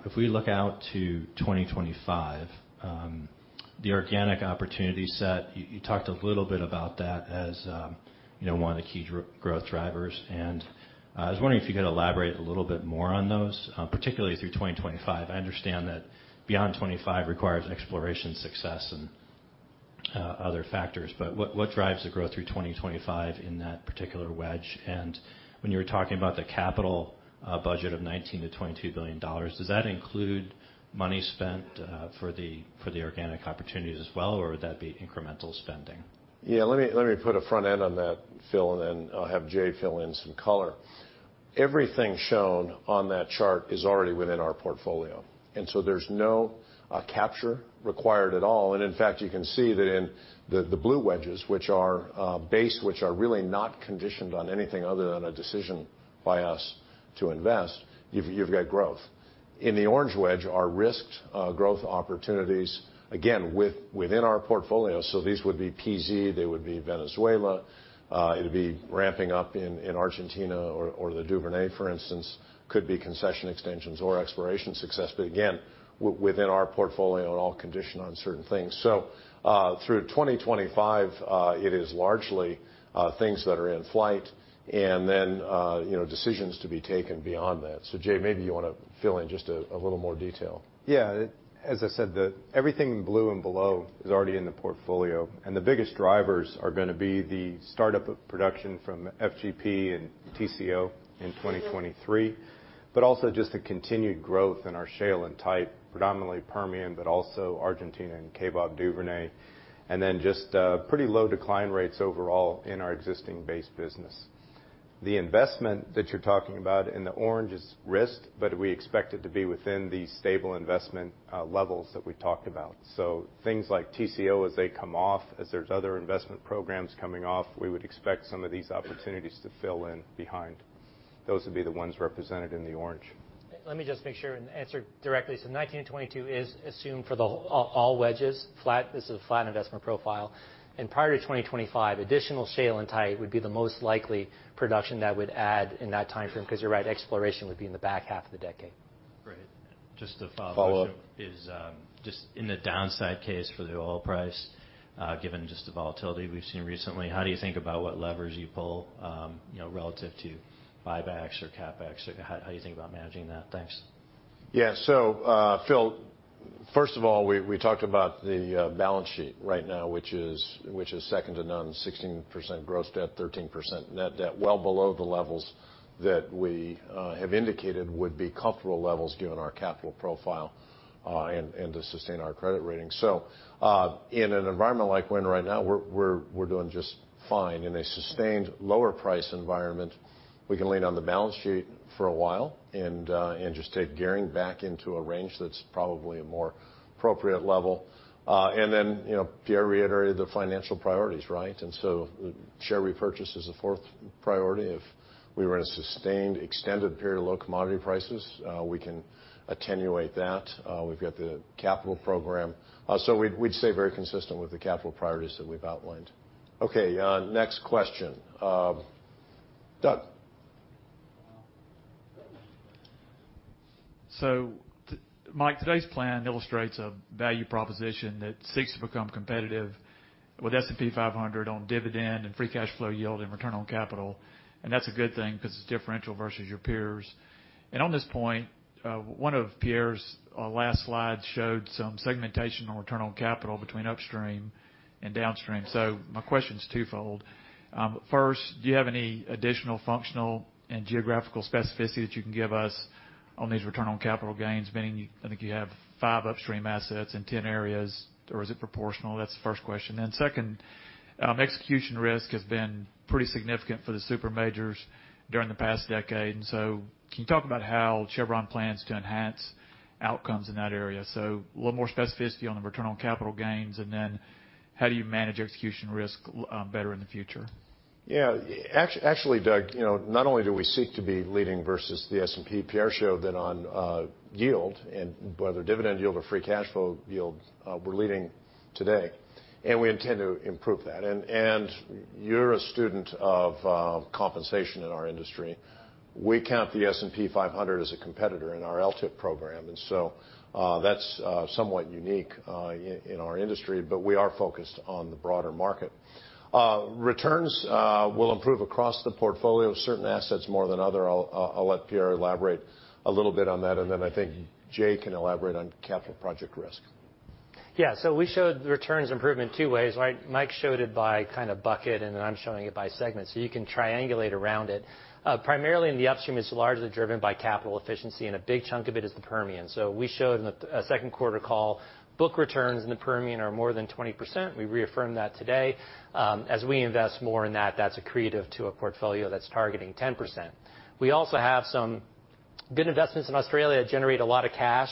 If we look out to 2025, the organic opportunity set, you talked a little bit about that as one of the key growth drivers, and I was wondering if you could elaborate a little bit more on those, particularly through 2025. I understand that beyond 2025 requires exploration success and other factors, but what drives the growth through 2025 in that particular wedge? When you were talking about the capital budget of $19 billion-$22 billion, does that include money spent for the organic opportunities as well, or would that be incremental spending? Let me put a front end on that, Phil, and then I'll have Jay fill in some color. Everything shown on that chart is already within our portfolio, there's no capture required at all. In fact, you can see that in the blue wedges, which are base, which are really not conditioned on anything other than a decision by us to invest, you've got growth. In the orange wedge are risked growth opportunities, again, within our portfolio. These would be PZ, they would be Venezuela. It'd be ramping up in Argentina or the Duvernay, for instance. Could be concession extensions or exploration success. Again, within our portfolio and all conditioned on certain things. Through 2025, it is largely things that are in flight and then decisions to be taken beyond that. Jay, maybe you want to fill in just a little more detail. Yeah. As I said, everything blue and below is already in the portfolio. The biggest drivers are going to be the startup of production from FGP and TCO in 2023, also just the continued growth in our shale and tight, predominantly Permian, also Argentina and Kaybob Duvernay, then just pretty low decline rates overall in our existing base business. The investment that you're talking about in the orange is risk, we expect it to be within the stable investment levels that we talked about. Things like TCO as they come off, as there's other investment programs coming off, we would expect some of these opportunities to fill in behind. Those would be the ones represented in the orange. Let me just make sure and answer directly. 19 and 22 is assumed for all wedges. This is a flat investment profile. Prior to 2025, additional shale and tight would be the most likely production that would add in that timeframe, because you're right, exploration would be in the back half of the decade. Great. Just a follow-up. Follow-up. Just in the downside case for the oil price, given just the volatility we've seen recently, how do you think about what levers you pull relative to buybacks or CapEx? How do you think about managing that? Thanks. Phil, first of all, we talked about the balance sheet right now, which is second to none, 16% gross debt, 13% net debt, well below the levels that we have indicated would be comfortable levels given our capital profile, and to sustain our credit rating. In an environment like we're in right now, we're doing just fine. In a sustained lower price environment, we can lean on the balance sheet for a while and just take gearing back into a range that's probably a more appropriate level. Pierre reiterated the financial priorities, right? Share repurchase is a fourth priority. If we were in a sustained extended period of low commodity prices, we can attenuate that. We've got the capital program. We'd stay very consistent with the capital priorities that we've outlined. Okay, next question. Doug. Mike, today's plan illustrates a value proposition that seeks to become competitive with S&P 500 on dividend and free cash flow yield and return on capital. That's a good thing because it's differential versus your peers. On this point, one of Pierre's last slides showed some segmentation on return on capital between upstream and downstream. My question's twofold. First, do you have any additional functional and geographical specificity that you can give us on these return on capital gains? Meaning, I think you have five upstream assets in 10 areas, or is it proportional? That's the first question. Second, execution risk has been pretty significant for the super majors during the past decade. Can you talk about how Chevron plans to enhance outcomes in that area? A little more specificity on the return on capital gains, and then how do you manage execution risk better in the future? Yeah. Actually, Doug, not only do we seek to be leading versus the S&P, Pierre showed that on yield and whether dividend yield or free cash flow yield, we're leading today, and we intend to improve that. You're a student of compensation in our industry. We count the S&P 500 as a competitor in our LTIP program, and so that's somewhat unique in our industry. We are focused on the broader market. Returns will improve across the portfolio, certain assets more than other. I'll let Pierre elaborate a little bit on that, and then I think Jay can elaborate on capital project risk. We showed returns improvement two ways. Mike showed it by kind of bucket, and then I'm showing it by segment, so you can triangulate around it. Primarily in the upstream, it's largely driven by capital efficiency, and a big chunk of it is the Permian. We showed in the second quarter call, book returns in the Permian are more than 20%. We reaffirmed that today. As we invest more in that's accretive to a portfolio that's targeting 10%. We also have some good investments in Australia that generate a lot of cash.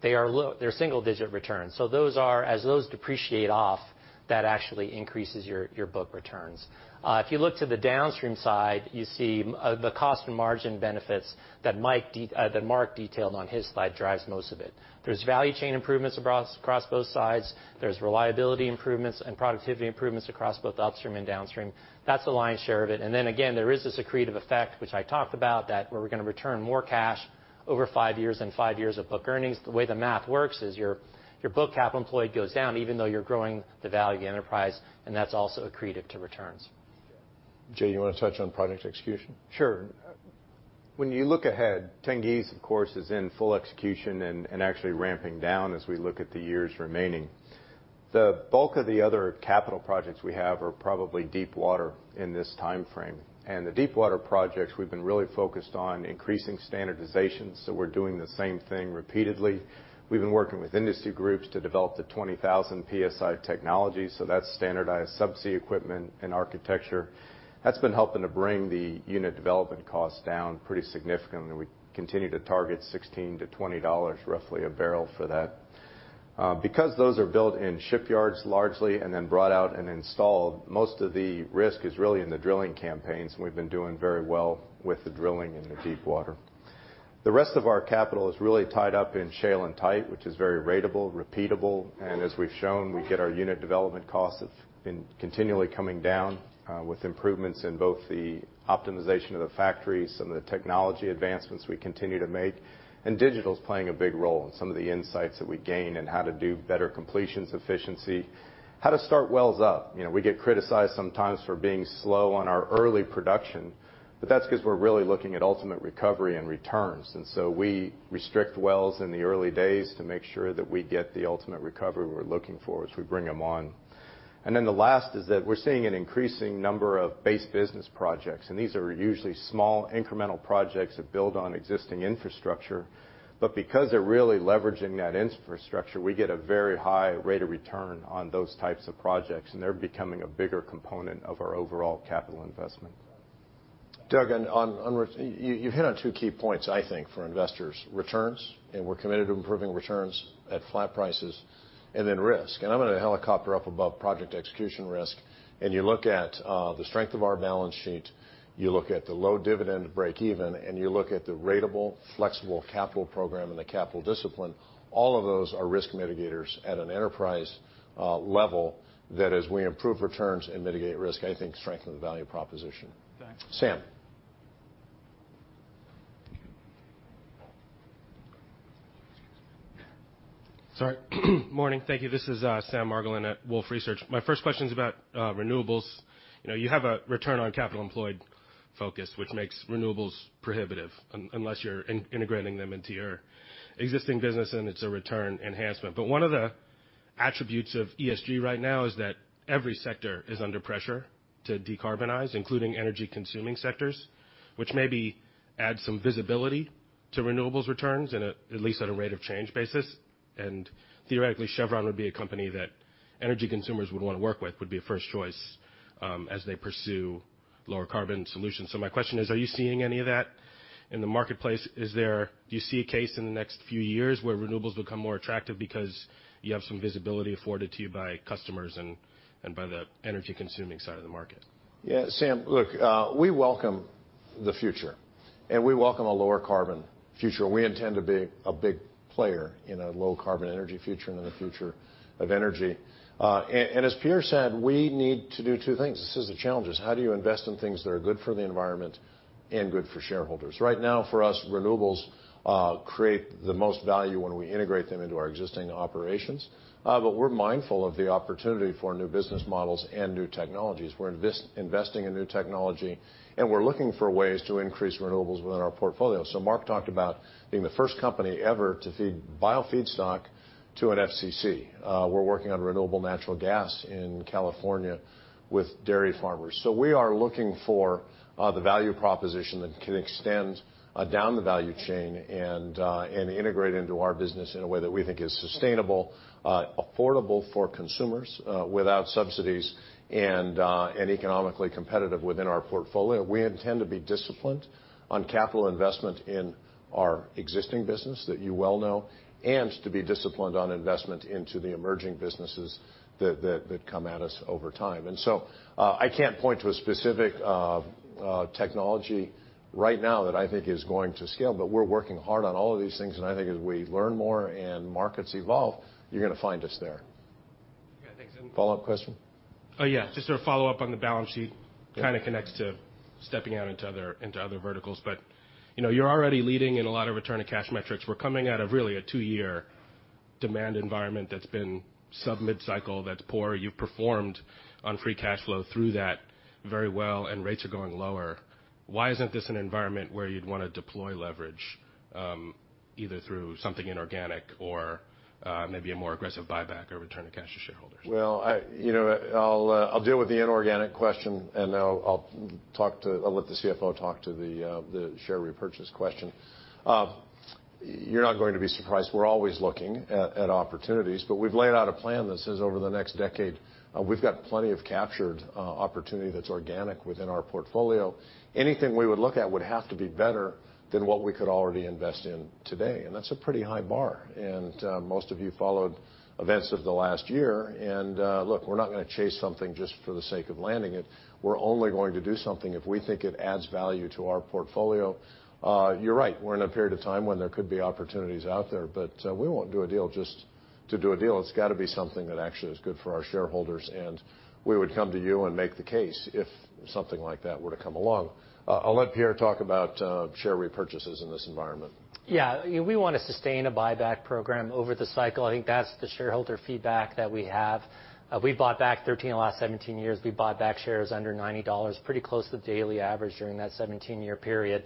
They're single-digit returns. As those depreciate off, that actually increases your book returns. If you look to the downstream side, you see the cost and margin benefits that Mark detailed on his slide drives most of it. There's value chain improvements across both sides. There's reliability improvements and productivity improvements across both upstream and downstream. That's the lion's share of it. Again, there is this accretive effect, which I talked about, that where we're going to return more cash over five years than five years of book earnings. The way the math works is your book capital employed goes down even though you're growing the value of the enterprise, and that's also accretive to returns. Jay, you want to touch on project execution? Sure. When you look ahead, Tengiz, of course, is in full execution and actually ramping down as we look at the years remaining. The bulk of the other capital projects we have are probably deepwater in this time frame. The deepwater projects, we've been really focused on increasing standardization, so we're doing the same thing repeatedly. We've been working with industry groups to develop the 20,000 PSI technology, so that's standardized sub-sea equipment and architecture. That's been helping to bring the unit development cost down pretty significantly. We continue to target $16-$20, roughly, a barrel for that. Because those are built in shipyards largely and then brought out and installed, most of the risk is really in the drilling campaigns, and we've been doing very well with the drilling in the deepwater. The rest of our capital is really tied up in shale and tight, which is very ratable, repeatable, and as we've shown, we get our unit development costs have been continually coming down with improvements in both the optimization of the factories, some of the technology advancements we continue to make, and digital's playing a big role in some of the insights that we gain and how to do better completions efficiency. How to start wells up. That's because we're really looking at ultimate recovery and returns. We restrict wells in the early days to make sure that we get the ultimate recovery we're looking for as we bring them on. The last is that we're seeing an increasing number of base business projects, and these are usually small incremental projects that build on existing infrastructure. Because they're really leveraging that infrastructure, we get a very high rate of return on those types of projects, and they're becoming a bigger component of our overall capital investment. Doug, you've hit on two key points, I think, for investors. Returns, we're committed to improving returns at flat prices, and then risk. I'm going to helicopter up above project execution risk, and you look at the strength of our balance sheet, you look at the low dividend to break even, and you look at the ratable flexible capital program and the capital discipline. All of those are risk mitigators at an enterprise level that as we improve returns and mitigate risk, I think strengthen the value proposition. Thanks. Sam. Sorry. Morning. Thank you. This is Sam Margolin at Wolfe Research. My first question's about renewables. You have a return on capital employed focus, which makes renewables prohibitive unless you're in integrating them into your existing business, and it's a return enhancement. One of the attributes of ESG right now is that every sector is under pressure to decarbonize, including energy consuming sectors, which maybe adds some visibility to renewables returns in a, at least at a rate of change basis. Theoretically, Chevron would be a company that energy consumers would want to work with, would be a first choice as they pursue lower carbon solutions. My question is, are you seeing any of that in the marketplace? Do you see a case in the next few years where renewables become more attractive because you have some visibility afforded to you by customers and by the energy consuming side of the market? Yeah. Sam, look, we welcome the future, we welcome a lower carbon future. We intend to be a big player in a low carbon energy future and in the future of energy. As Pierre said, we need to do two things. This is the challenge, is how do you invest in things that are good for the environment and good for shareholders? Right now, for us, renewables create the most value when we integrate them into our existing operations. We're mindful of the opportunity for new business models and new technologies. We're investing in new technology, and we're looking for ways to increase renewables within our portfolio. Mark talked about being the first company ever to feed bio feedstock to an FCC. We're working on renewable natural gas in California with dairy farmers. We are looking for the value proposition that can extend down the value chain and integrate into our business in a way that we think is sustainable, affordable for consumers without subsidies, and economically competitive within our portfolio. We intend to be disciplined on capital investment in our existing business that you well know, and to be disciplined on investment into the emerging businesses that come at us over time. I can't point to a specific technology right now that I think is going to scale, but we're working hard on all of these things, and I think as we learn more and markets evolve, you're going to find us there. Yeah, thanks. Follow-up question? Yeah. Just a follow-up on the balance sheet. Yeah. Kind of connects to stepping out into other verticals. You're already leading in a lot of return on cash metrics. We're coming out of really a two-year demand environment that's been sub-mid-cycle that's poor. You've performed on free cash flow through that very well, and rates are going lower. Why isn't this an environment where you'd want to deploy leverage either through something inorganic or maybe a more aggressive buyback or return of cash to shareholders? Well, I'll deal with the inorganic question, and I'll let the CFO talk to the share repurchase question. You're not going to be surprised. We're always looking at opportunities, but we've laid out a plan that says over the next decade we've got plenty of captured opportunity that's organic within our portfolio. Anything we would look at would have to be better than what we could already invest in today, and that's a pretty high bar. Most of you followed events of the last year. Look, we're not going to chase something just for the sake of landing it. We're only going to do something if we think it adds value to our portfolio. You're right. We're in a period of time when there could be opportunities out there, but we won't do a deal just to do a deal. It's got to be something that actually is good for our shareholders, and we would come to you and make the case if something like that were to come along. I'll let Pierre talk about share repurchases in this environment. Yeah. We want to sustain a buyback program over the cycle. I think that's the shareholder feedback that we have. We bought back 13 of the last 17 years. We bought back shares under $90, pretty close to the daily average during that 17-year period.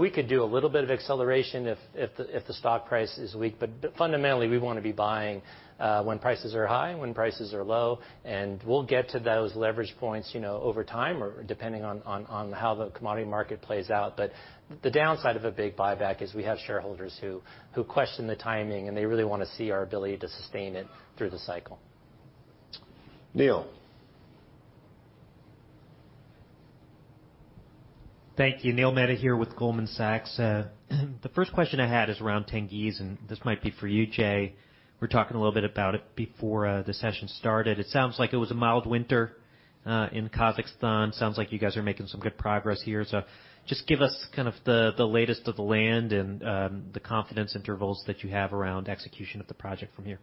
We could do a little bit of acceleration if the stock price is weak. Fundamentally, we want to be buying when prices are high, when prices are low, and we'll get to those leverage points over time or depending on how the commodity market plays out. The downside of a big buyback is we have shareholders who question the timing, and they really want to see our ability to sustain it through the cycle. Neil. Thank you. Neil Mehta here with Goldman Sachs. The first question I had is around Tengiz. This might be for you, Jay. We were talking a little bit about it before the session started. It sounds like it was a mild winter in Kazakhstan. Sounds like you guys are making some good progress here. Just give us the latest of the land and the confidence intervals that you have around execution of the project from here.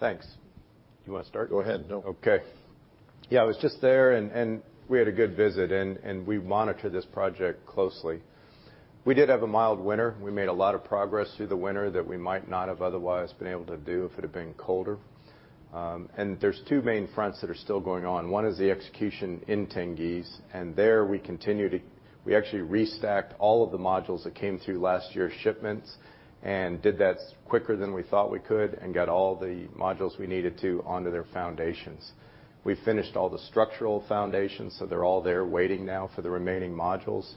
Thanks. Do you want to start? Go ahead. No. Okay. Yeah, I was just there, and we had a good visit. We monitor this project closely. We did have a mild winter. We made a lot of progress through the winter that we might not have otherwise been able to do if it had been colder. There's two main fronts that are still going on. One is the execution in Tengiz. There, we actually restacked all of the modules that came through last year's shipments and did that quicker than we thought we could and got all the modules we needed to onto their foundations. We finished all the structural foundations, so they're all there waiting now for the remaining modules.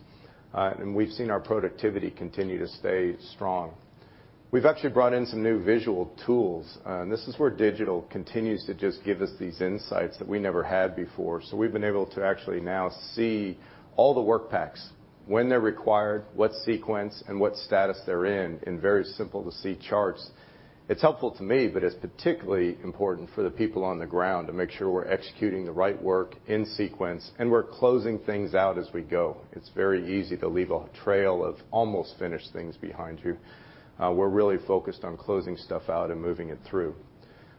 We've seen our productivity continue to stay strong. We've actually brought in some new visual tools. This is where digital continues to just give us these insights that we never had before. We've been able to actually now see all the work packs, when they're required, what sequence, and what status they're in very simple-to-see charts. It's helpful to me, but it's particularly important for the people on the ground to make sure we're executing the right work in sequence, and we're closing things out as we go. It's very easy to leave a trail of almost finished things behind you. We're really focused on closing stuff out and moving it through.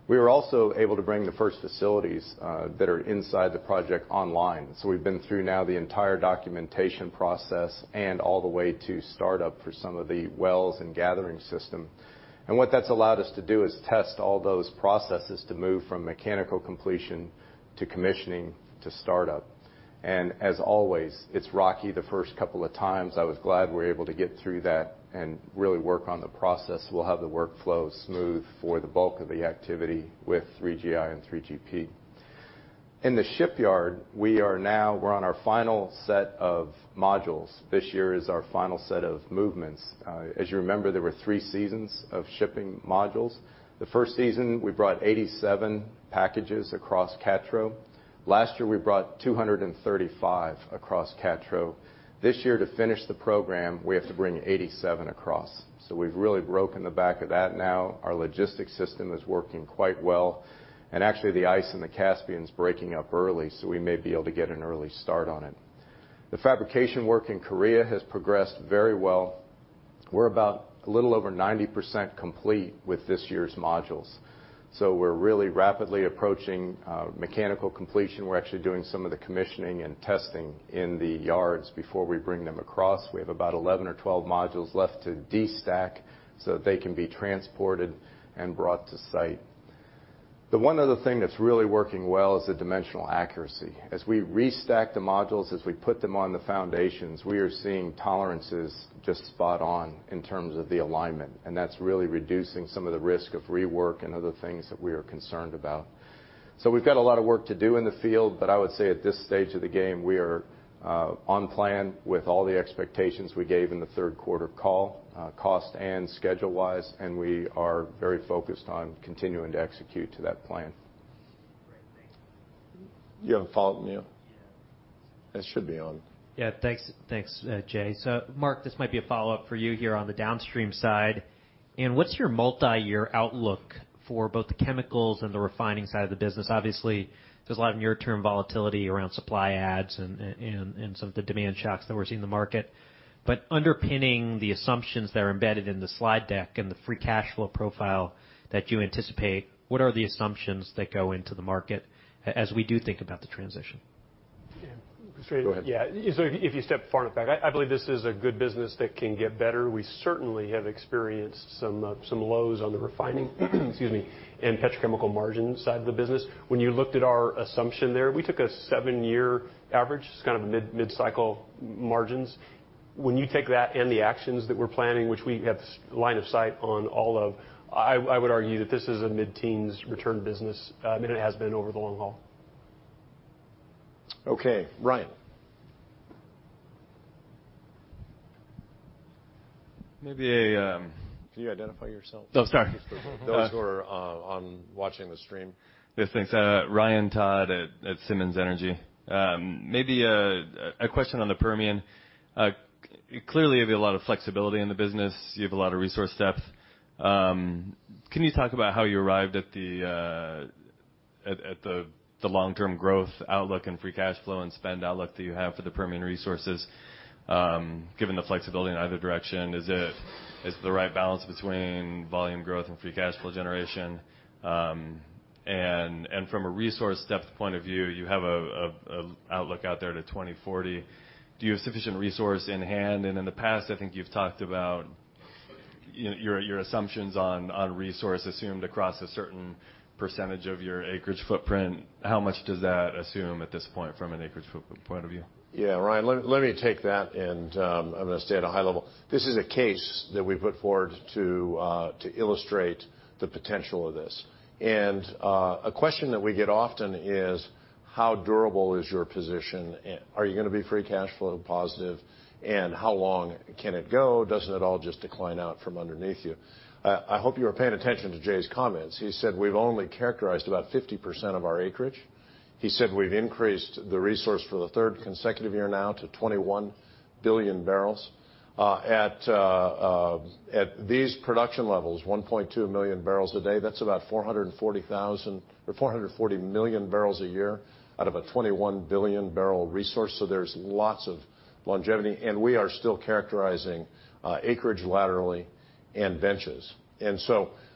We were also able to bring the first facilities that are inside the project online. We've been through now the entire documentation process and all the way to startup for some of the wells and gathering system. What that's allowed us to do is test all those processes to move from mechanical completion to commissioning to startup. As always, it's rocky the first couple of times. I was glad we were able to get through that and really work on the process. We'll have the workflow smooth for the bulk of the activity with 3GI and 3GP. In the shipyard, we're on our final set of modules. This year is our final set of movements. As you remember, there were three seasons of shipping modules. The first season, we brought 87 packages across CaTRO. Last year, we brought 235 across CaTRO. This year, to finish the program, we have to bring 87 across. We've really broken the back of that now. Our logistics system is working quite well. Actually, the ice in the Caspian is breaking up early, so we may be able to get an early start on it. The fabrication work in Korea has progressed very well. We're about a little over 90% complete with this year's modules. We're really rapidly approaching mechanical completion. We're actually doing some of the commissioning and testing in the yards before we bring them across. We have about 11 or 12 modules left to destack so that they can be transported and brought to site. The one other thing that's really working well is the dimensional accuracy. As we restack the modules, as we put them on the foundations, we are seeing tolerances just spot on in terms of the alignment, and that's really reducing some of the risk of rework and other things that we are concerned about. We've got a lot of work to do in the field, but I would say at this stage of the game, we are on plan with all the expectations we gave in the third quarter call, cost and schedule-wise, and we are very focused on continuing to execute to that plan. Great. Thank you. Do you have a follow-up, Neil? Yeah. It should be on. Yeah. Thanks. Jay. Mark, this might be a follow-up for you here on the downstream side. What's your multi-year outlook for both the chemicals and the refining side of the business? Obviously, there's a lot of near-term volatility around supply adds and some of the demand shocks that we're seeing in the market. Underpinning the assumptions that are embedded in the slide deck and the free cash flow profile that you anticipate, what are the assumptions that go into the market as we do think about the transition? Yeah. Go ahead. Yeah. If you step far enough back, I believe this is a good business that can get better. We certainly have experienced some lows on the refining excuse me, and petrochemical margin side of the business. When you looked at our assumption there, we took a seven-year average, just kind of mid-cycle margins. When you take that and the actions that we're planning, which we have line of sight on all of, I would argue that this is a mid-teens return business, and it has been over the long haul. Okay. Ryan. Maybe can you identify yourself? Oh, sorry. For those who are watching the stream. Yes, thanks. Ryan Todd at Simmons Energy. Maybe a question on the Permian. Clearly, you have a lot of flexibility in the business. You have a lot of resource depth. Can you talk about how you arrived at the long-term growth outlook and free cash flow and spend outlook that you have for the Permian resources given the flexibility in either direction? Is it the right balance between volume growth and free cash flow generation? From a resource depth point of view, you have an outlook out there to 2040. Do you have sufficient resource in hand? In the past, I think you've talked about your assumptions on resource assumed across a certain percentage of your acreage footprint, how much does that assume at this point from an an acreage footprint point of view? Yeah, Ryan, let me take that, and I'm going to stay at a high level. This is a case that we put forward to illustrate the potential of this. A question that we get often is, how durable is your position? Are you going to be free cash flow positive? How long can it go? Doesn't it all just decline out from underneath you? I hope you were paying attention to Jay's comments. He said we've only characterized about 50% of our acreage. He said we've increased the resource for the third consecutive year now to 21 billion barrels. At these production levels, 1.2 million barrels a day, that's about 440 million barrels a year out of a 21 billion barrel resource. There's lots of longevity, and we are still characterizing acreage laterally and benches.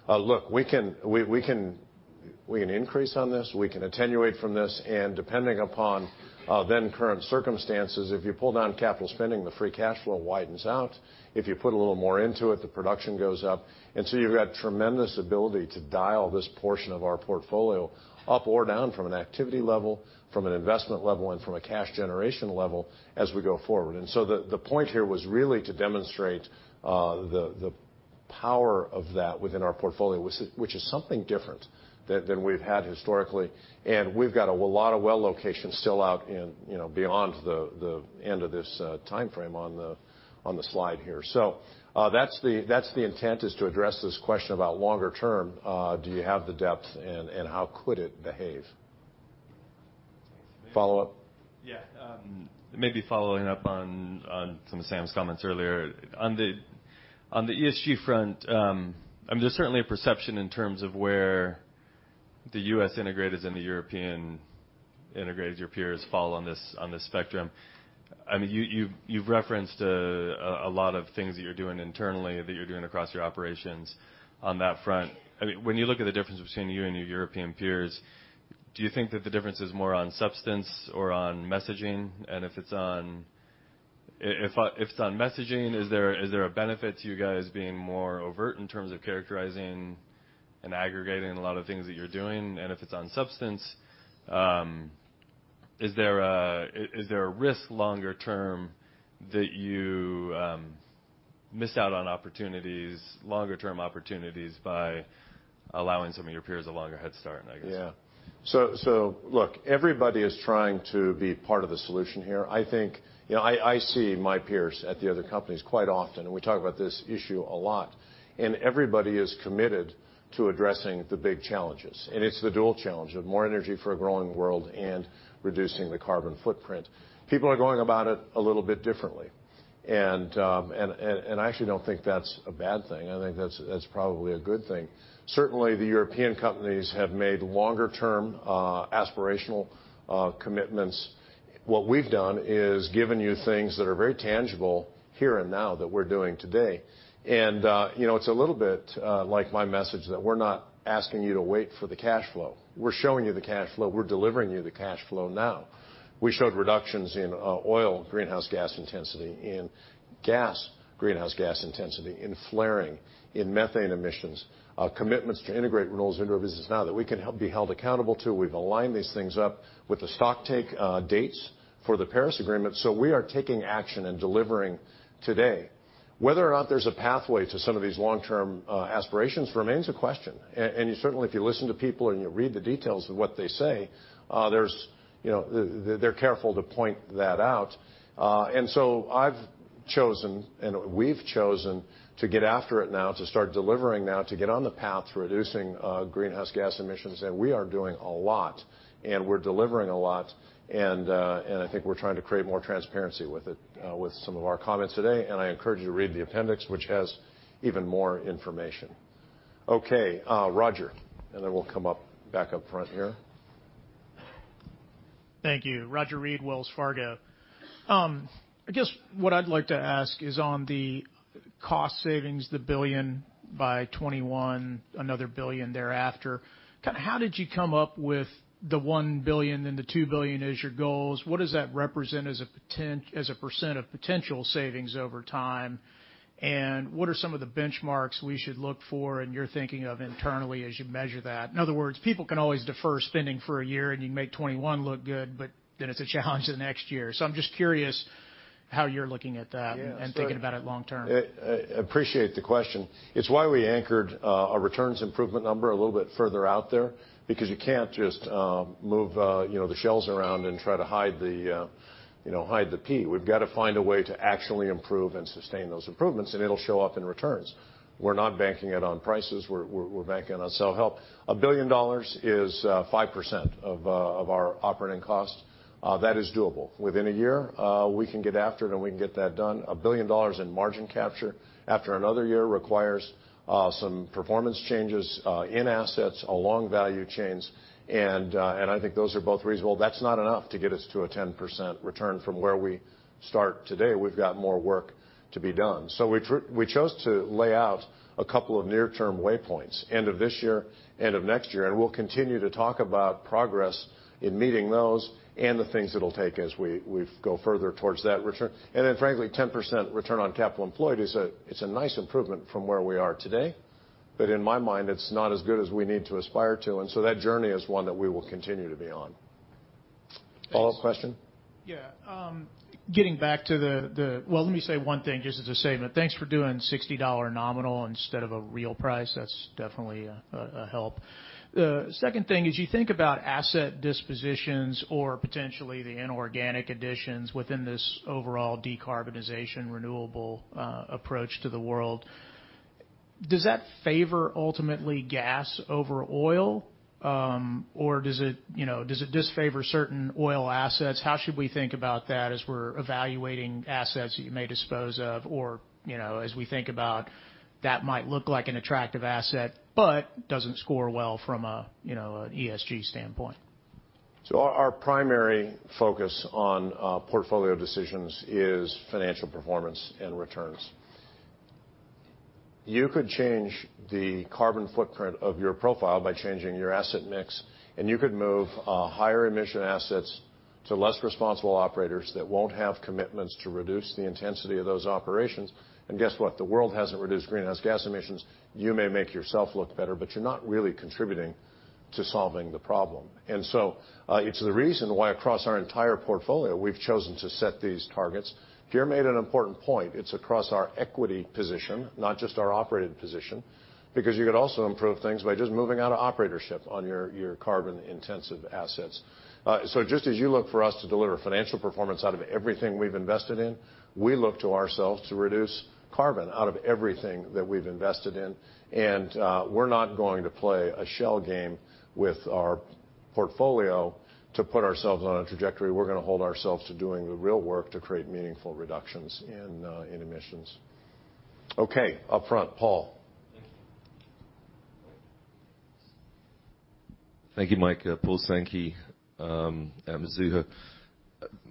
Look, we can increase on this. We can attenuate from this, and depending upon then-current circumstances, if you pull down capital spending, the free cash flow widens out. If you put a little more into it, the production goes up. You've got tremendous ability to dial this portion of our portfolio up or down from an activity level, from an investment level, and from a cash generation level as we go forward. The point here was really to demonstrate the power of that within our portfolio, which is something different than we've had historically. We've got a lot of well locations still out in beyond the end of this timeframe on the slide here. That's the intent, is to address this question about longer term, do you have the depth and how could it behave? Follow up? Yeah. Maybe following up on some of Sam's comments earlier. On the ESG front, there's certainly a perception in terms of where the U.S. integrators and the European integrators, your peers, fall on this spectrum. You've referenced a lot of things that you're doing internally that you're doing across your operations on that front. When you look at the difference between you and your European peers, do you think that the difference is more on substance or on messaging? If it's on messaging, is there a benefit to you guys being more overt in terms of characterizing and aggregating a lot of things that you're doing? If it's on substance, is there a risk longer term that you miss out on opportunities by allowing some of your peers a longer head start, I guess? Yeah. Look, everybody is trying to be part of the solution here. I see my peers at the other companies quite often, and we talk about this issue a lot. Everybody is committed to addressing the big challenges. It's the dual challenge of more energy for a growing world and reducing the carbon footprint. People are going about it a little bit differently. I actually don't think that's a bad thing. I think that's probably a good thing. Certainly, the European companies have made longer-term aspirational commitments. What we've done is given you things that are very tangible here and now that we're doing today. It's a little bit like my message that we're not asking you to wait for the cash flow. We're showing you the cash flow. We're delivering you the cash flow now. We showed reductions in oil greenhouse gas intensity, in gas greenhouse gas intensity, in flaring, in methane emissions, commitments to integrate renewables into our business now that we can be held accountable to. We've aligned these things up with the stock take dates for the Paris Agreement. We are taking action and delivering today. Whether or not there's a pathway to some of these long-term aspirations remains a question. Certainly, if you listen to people and you read the details of what they say, they're careful to point that out. I've chosen, and we've chosen, to get after it now, to start delivering now, to get on the path to reducing greenhouse gas emissions, and we are doing a lot, and we're delivering a lot. I think we're trying to create more transparency with it with some of our comments today, and I encourage you to read the appendix, which has even more information. Okay, Roger. We'll come back up front here. Thank you. Roger Read, Wells Fargo. I guess what I'd like to ask is on the cost savings, the $1 billion by 2021, another $1 billion thereafter. How did you come up with the $1 billion and the $2 billion as your goals? What does that represent as a percent of potential savings over time? What are some of the benchmarks we should look for and you're thinking of internally as you measure that? In other words, people can always defer spending for a year and you make 2021 look good, but then it's a challenge the next year. I'm just curious how you're looking at that and thinking about it long term. I appreciate the question. It's why we anchored a returns improvement number a little bit further out there, because you can't just move the shells around and try to hide the pea. We've got to find a way to actually improve and sustain those improvements, and it'll show up in returns. We're not banking it on prices. We're banking on self-help. $1 billion is 5% of our operating cost. That is doable. Within one year, we can get after it and we can get that done. $1 billion in margin capture after another year requires some performance changes in assets along value chains, and I think those are both reasonable. That's not enough to get us to a 10% return from where we start today. We've got more work to be done. We chose to lay out a couple of near-term waypoints, end of this year, end of next year, and we'll continue to talk about progress in meeting those and the things it'll take as we go further towards that return. Frankly, 10% return on capital employed is a nice improvement from where we are today. But in my mind, it's not as good as we need to aspire to. That journey is one that we will continue to be on. Follow-up question? Yeah. Getting back to the Well, let me say one thing, just as a statement. Thanks for doing $60 nominal instead of a real price. That's definitely a help. The second thing is you think about asset dispositions or potentially the inorganic additions within this overall decarbonization, renewable approach to the world. Does that favor ultimately gas over oil? Does it disfavor certain oil assets? How should we think about that as we're evaluating assets that you may dispose of or as we think about that might look like an attractive asset but doesn't score well from an ESG standpoint? Our primary focus on portfolio decisions is financial performance and returns. You could change the carbon footprint of your profile by changing your asset mix, and you could move higher emission assets to less responsible operators that won't have commitments to reduce the intensity of those operations. Guess what? The world hasn't reduced greenhouse gas emissions. You may make yourself look better, but you're not really contributing to solving the problem. It's the reason why across our entire portfolio, we've chosen to set these targets. Pierre made an important point. It's across our equity position, not just our operated position, because you could also improve things by just moving out of operatorship on your carbon-intensive assets. Just as you look for us to deliver financial performance out of everything we've invested in, we look to ourselves to reduce carbon out of everything that we've invested in. We're not going to play a shell game with our portfolio to put ourselves on a trajectory. We're going to hold ourselves to doing the real work to create meaningful reductions in emissions. Okay. Up front, Paul. Thank you. Thank you, Mike. Paul Sankey at Mizuho.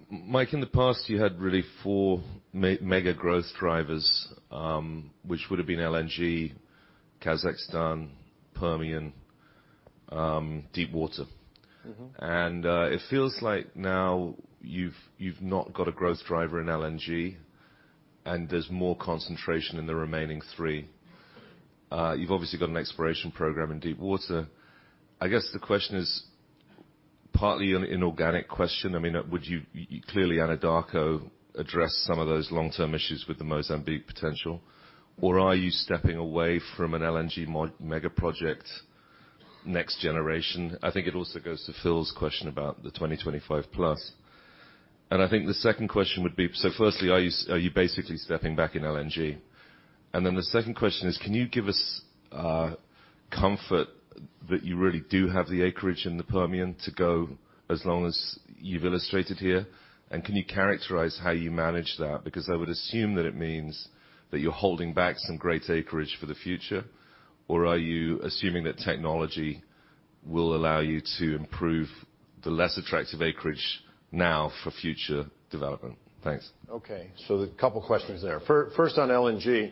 Mike, in the past, you had really four mega growth drivers, which would have been LNG, Kazakhstan, Permian, Deepwater. It feels like now you've not got a growth driver in LNG, and there's more concentration in the remaining three. You've obviously got an exploration program in Deepwater. I guess the question is partly an inorganic question. Clearly, Anadarko addressed some of those long-term issues with the Mozambique potential, or are you stepping away from an LNG mega project next generation? I think it also goes to Phil's question about the 2025 plus. I think the second question would be, so firstly, are you basically stepping back in LNG? Then the second question is, can you give us comfort that you really do have the acreage in the Permian to go as long as you've illustrated here? Can you characterize how you manage that? I would assume that it means that you're holding back some great acreage for the future, or are you assuming that technology will allow you to improve the less attractive acreage now for future development? Thanks. Okay. A couple of questions there. First, on LNG,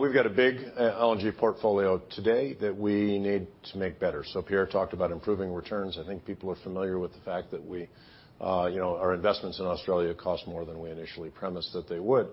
we've got a big LNG portfolio today that we need to make better. Pierre talked about improving returns. I think people are familiar with the fact that our investments in Australia cost more than we initially premised that they would.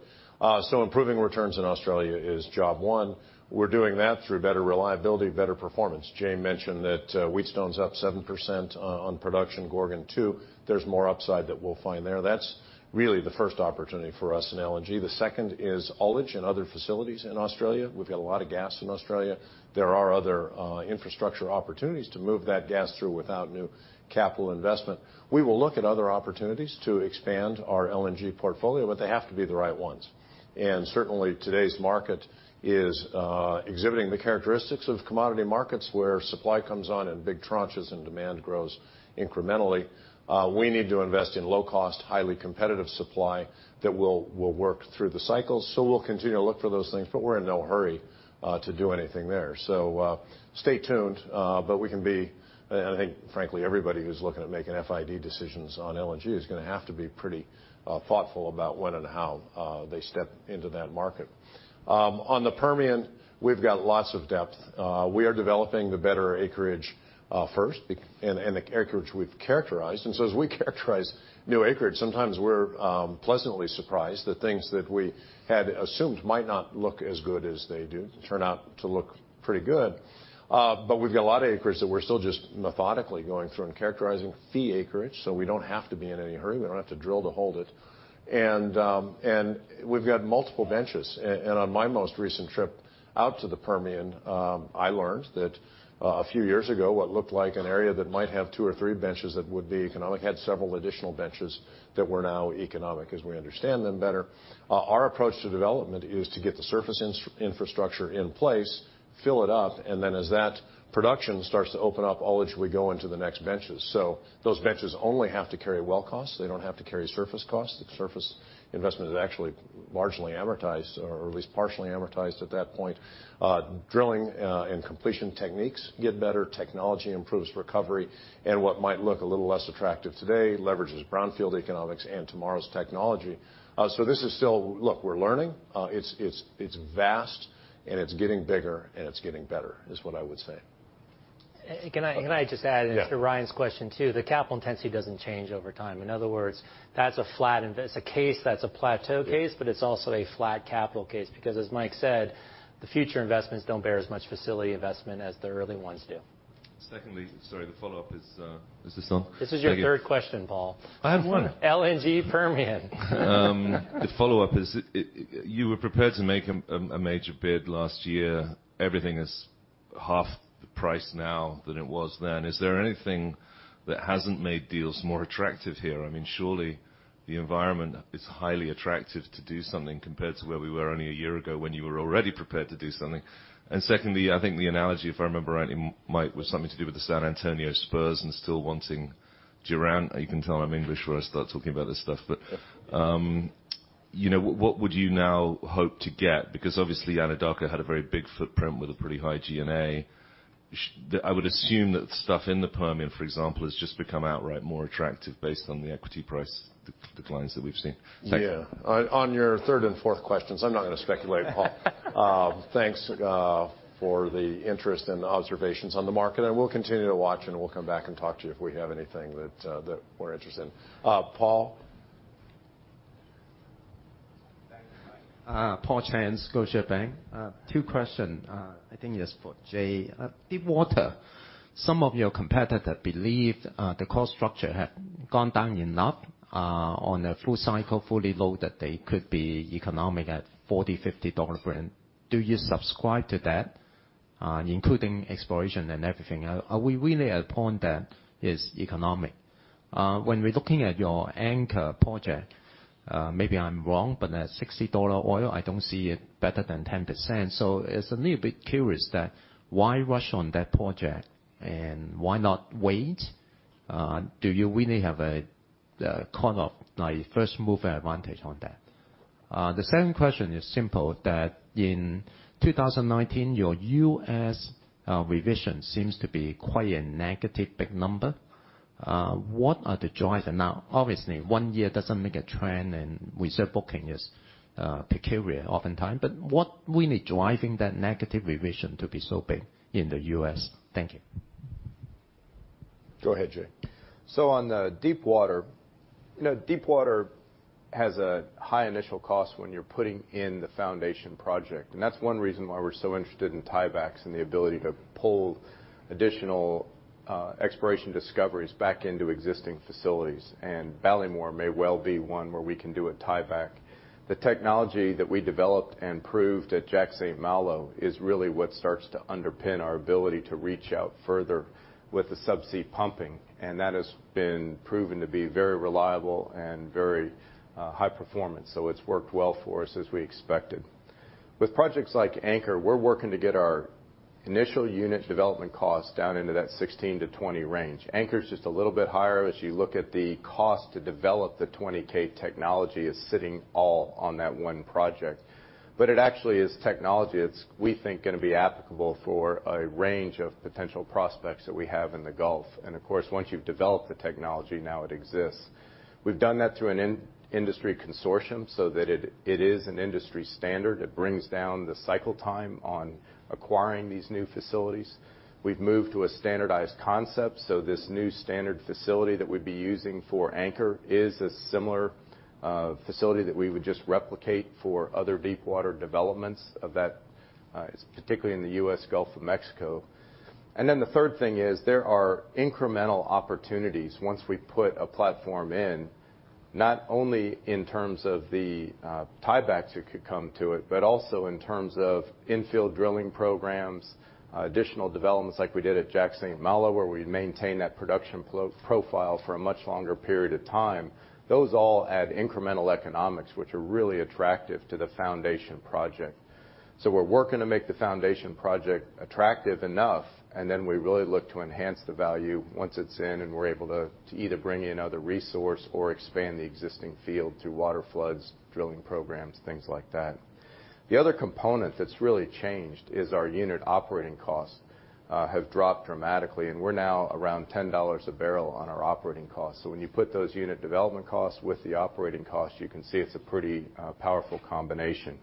Improving returns in Australia is job one. We're doing that through better reliability, better performance. Jay mentioned that Wheatstone's up 7% on production. Gorgon, too. There's more upside that we'll find there. That's really the first opportunity for us in LNG. The second is Wheatstone and other facilities in Australia. We've got a lot of gas in Australia. There are other infrastructure opportunities to move that gas through without new capital investment. We will look at other opportunities to expand our LNG portfolio, they have to be the right ones. Certainly, today's market is exhibiting the characteristics of commodity markets where supply comes on in big tranches and demand grows incrementally. We need to invest in low-cost, highly competitive supply that will work through the cycles. We'll continue to look for those things, We're in no hurry to do anything there. Stay tuned, We can be, I think frankly, everybody who's looking at making FID decisions on LNG is going to have to be pretty thoughtful about when and how they step into that market. On the Permian, we've got lots of depth. We are developing the better acreage first and the acreage we've characterized. As we characterize new acreage, sometimes we're pleasantly surprised that things that we had assumed might not look as good as they do turn out to look pretty good. We've got a lot of acreage that we're still just methodically going through and characterizing fee acreage, so we don't have to be in any hurry. We don't have to drill to hold it. We've got multiple benches. On my most recent trip out to the Permian, I learned that a few years ago, what looked like an area that might have two or three benches that would be economic had several additional benches that were now economic as we understand them better. Our approach to development is to get the surface infrastructure in place, fill it up, and then as that production starts to open up, Ullage will go into the next benches. Those benches only have to carry well costs. They don't have to carry surface costs. The surface investment is actually largely amortized or at least partially amortized at that point. Drilling and completion techniques get better, technology improves recovery, and what might look a little less attractive today leverages brownfield economics and tomorrow's technology. Look, we're learning. It's vast, and it's getting bigger, and it's getting better is what I would say. Can I just add- Yeah to Ryan's question, too? The capital intensity doesn't change over time. In other words, that's a plateau case, but it's also a flat capital case, because as Mike said, the future investments don't bear as much facility investment as the early ones do. Sorry, is this on? This is your third question, Paul. I had one. LNG Permian. The follow-up is, you were prepared to make a major bid last year. Everything is half the price now than it was then. Is there anything that hasn't made deals more attractive here? Surely, the environment is highly attractive to do something compared to where we were only a year ago when you were already prepared to do something. Secondly, I think the analogy, if I remember right, Mike, was something to do with the San Antonio Spurs and still wanting Durant. You can tell I'm English when I start talking about this stuff. What would you now hope to get? Because obviously Anadarko had a very big footprint with a pretty high G&A. I would assume that stuff in the Permian, for example, has just become outright more attractive based on the equity price declines that we've seen. Yeah. On your third and fourth questions, I'm not going to speculate, Paul. Thanks for the interest and observations on the market. We'll continue to watch, and we'll come back and talk to you if we have anything that we're interested in. Paul? Thanks, Mike. Paul Cheng, Scotiabank. Two question. I think it is for Jay. Deepwater. Some of your competitor believed the cost structure had gone down enough on a full cycle, fully loaded, they could be economic at $40, $50 per. Do you subscribe to that? Including exploration and everything. Are we really at a point that is economic? When we're looking at your Anchor project, maybe I'm wrong, but at $60 oil, I don't see it better than 10%. It's a little bit curious that why rush on that project, and why not wait? Do you really have a kind of first-mover advantage on that? The second question is simple, that in 2019, your U.S. revision seems to be quite a negative, big number. What are the drivers? Now, obviously, one year doesn't make a trend, and reserve booking is peculiar oftentimes. What really driving that negative revision to be so big in the U.S.? Thank you. Go ahead, Jay. On the deepwater. Deepwater has a high initial cost when you're putting in the foundation project. That's one reason why we're so interested in tiebacks and the ability to pull additional exploration discoveries back into existing facilities. Ballymore may well be one where we can do a tieback. The technology that we developed and proved at Jack/St. Malo is really what starts to underpin our ability to reach out further with the sub-sea pumping, and that has been proven to be very reliable and very high performance. It's worked well for us as we expected. With projects like Anchor, we're working to get our initial unit development cost down into that $16-$20 range. Anchor's just a little bit higher as you look at the cost to develop the 20K technology is sitting all on that one project. It actually is technology that's, we think, going to be applicable for a range of potential prospects that we have in the Gulf. Of course, once you've developed the technology, now it exists. We've done that through an industry consortium so that it is an industry standard. It brings down the cycle time on acquiring these new facilities. We've moved to a standardized concept, this new standard facility that we'd be using for Anchor is a similar facility that we would just replicate for other deepwater developments, particularly in the U.S. Gulf of Mexico. The third thing is there are incremental opportunities once we put a platform in, not only in terms of the tiebacks that could come to it, but also in terms of infill drilling programs, additional developments like we did at Jack St. Malo, where we maintain that production profile for a much longer period of time. Those all add incremental economics, which are really attractive to the foundation project. We're working to make the foundation project attractive enough, and then we really look to enhance the value once it's in and we're able to either bring in other resource or expand the existing field through waterfloods, drilling programs, things like that. The other component that's really changed is our unit operating costs have dropped dramatically, and we're now around $10 a barrel on our operating costs. When you put those unit development costs with the operating costs, you can see it's a pretty powerful combination.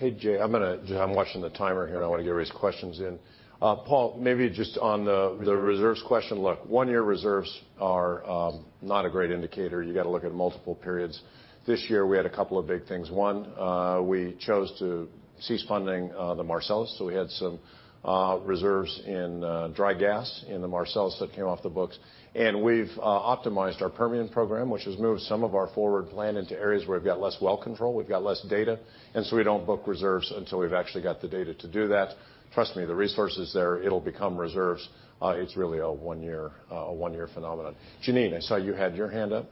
Hey, Jay. I'm watching the timer here, and I want to get everybody's questions in. Paul, maybe just on the reserves question. Look, one-year reserves are not a great indicator. You got to look at multiple periods. This year, we had a couple of big things. One, we chose to cease funding the Marcellus. We had some reserves in dry gas in the Marcellus that came off the books. We've optimized our Permian program, which has moved some of our forward plan into areas where we've got less well control, we've got less data. We don't book reserves until we've actually got the data to do that. Trust me, the resource is there. It'll become reserves. It's really a one-year phenomenon. Jeanine, I saw you had your hand up.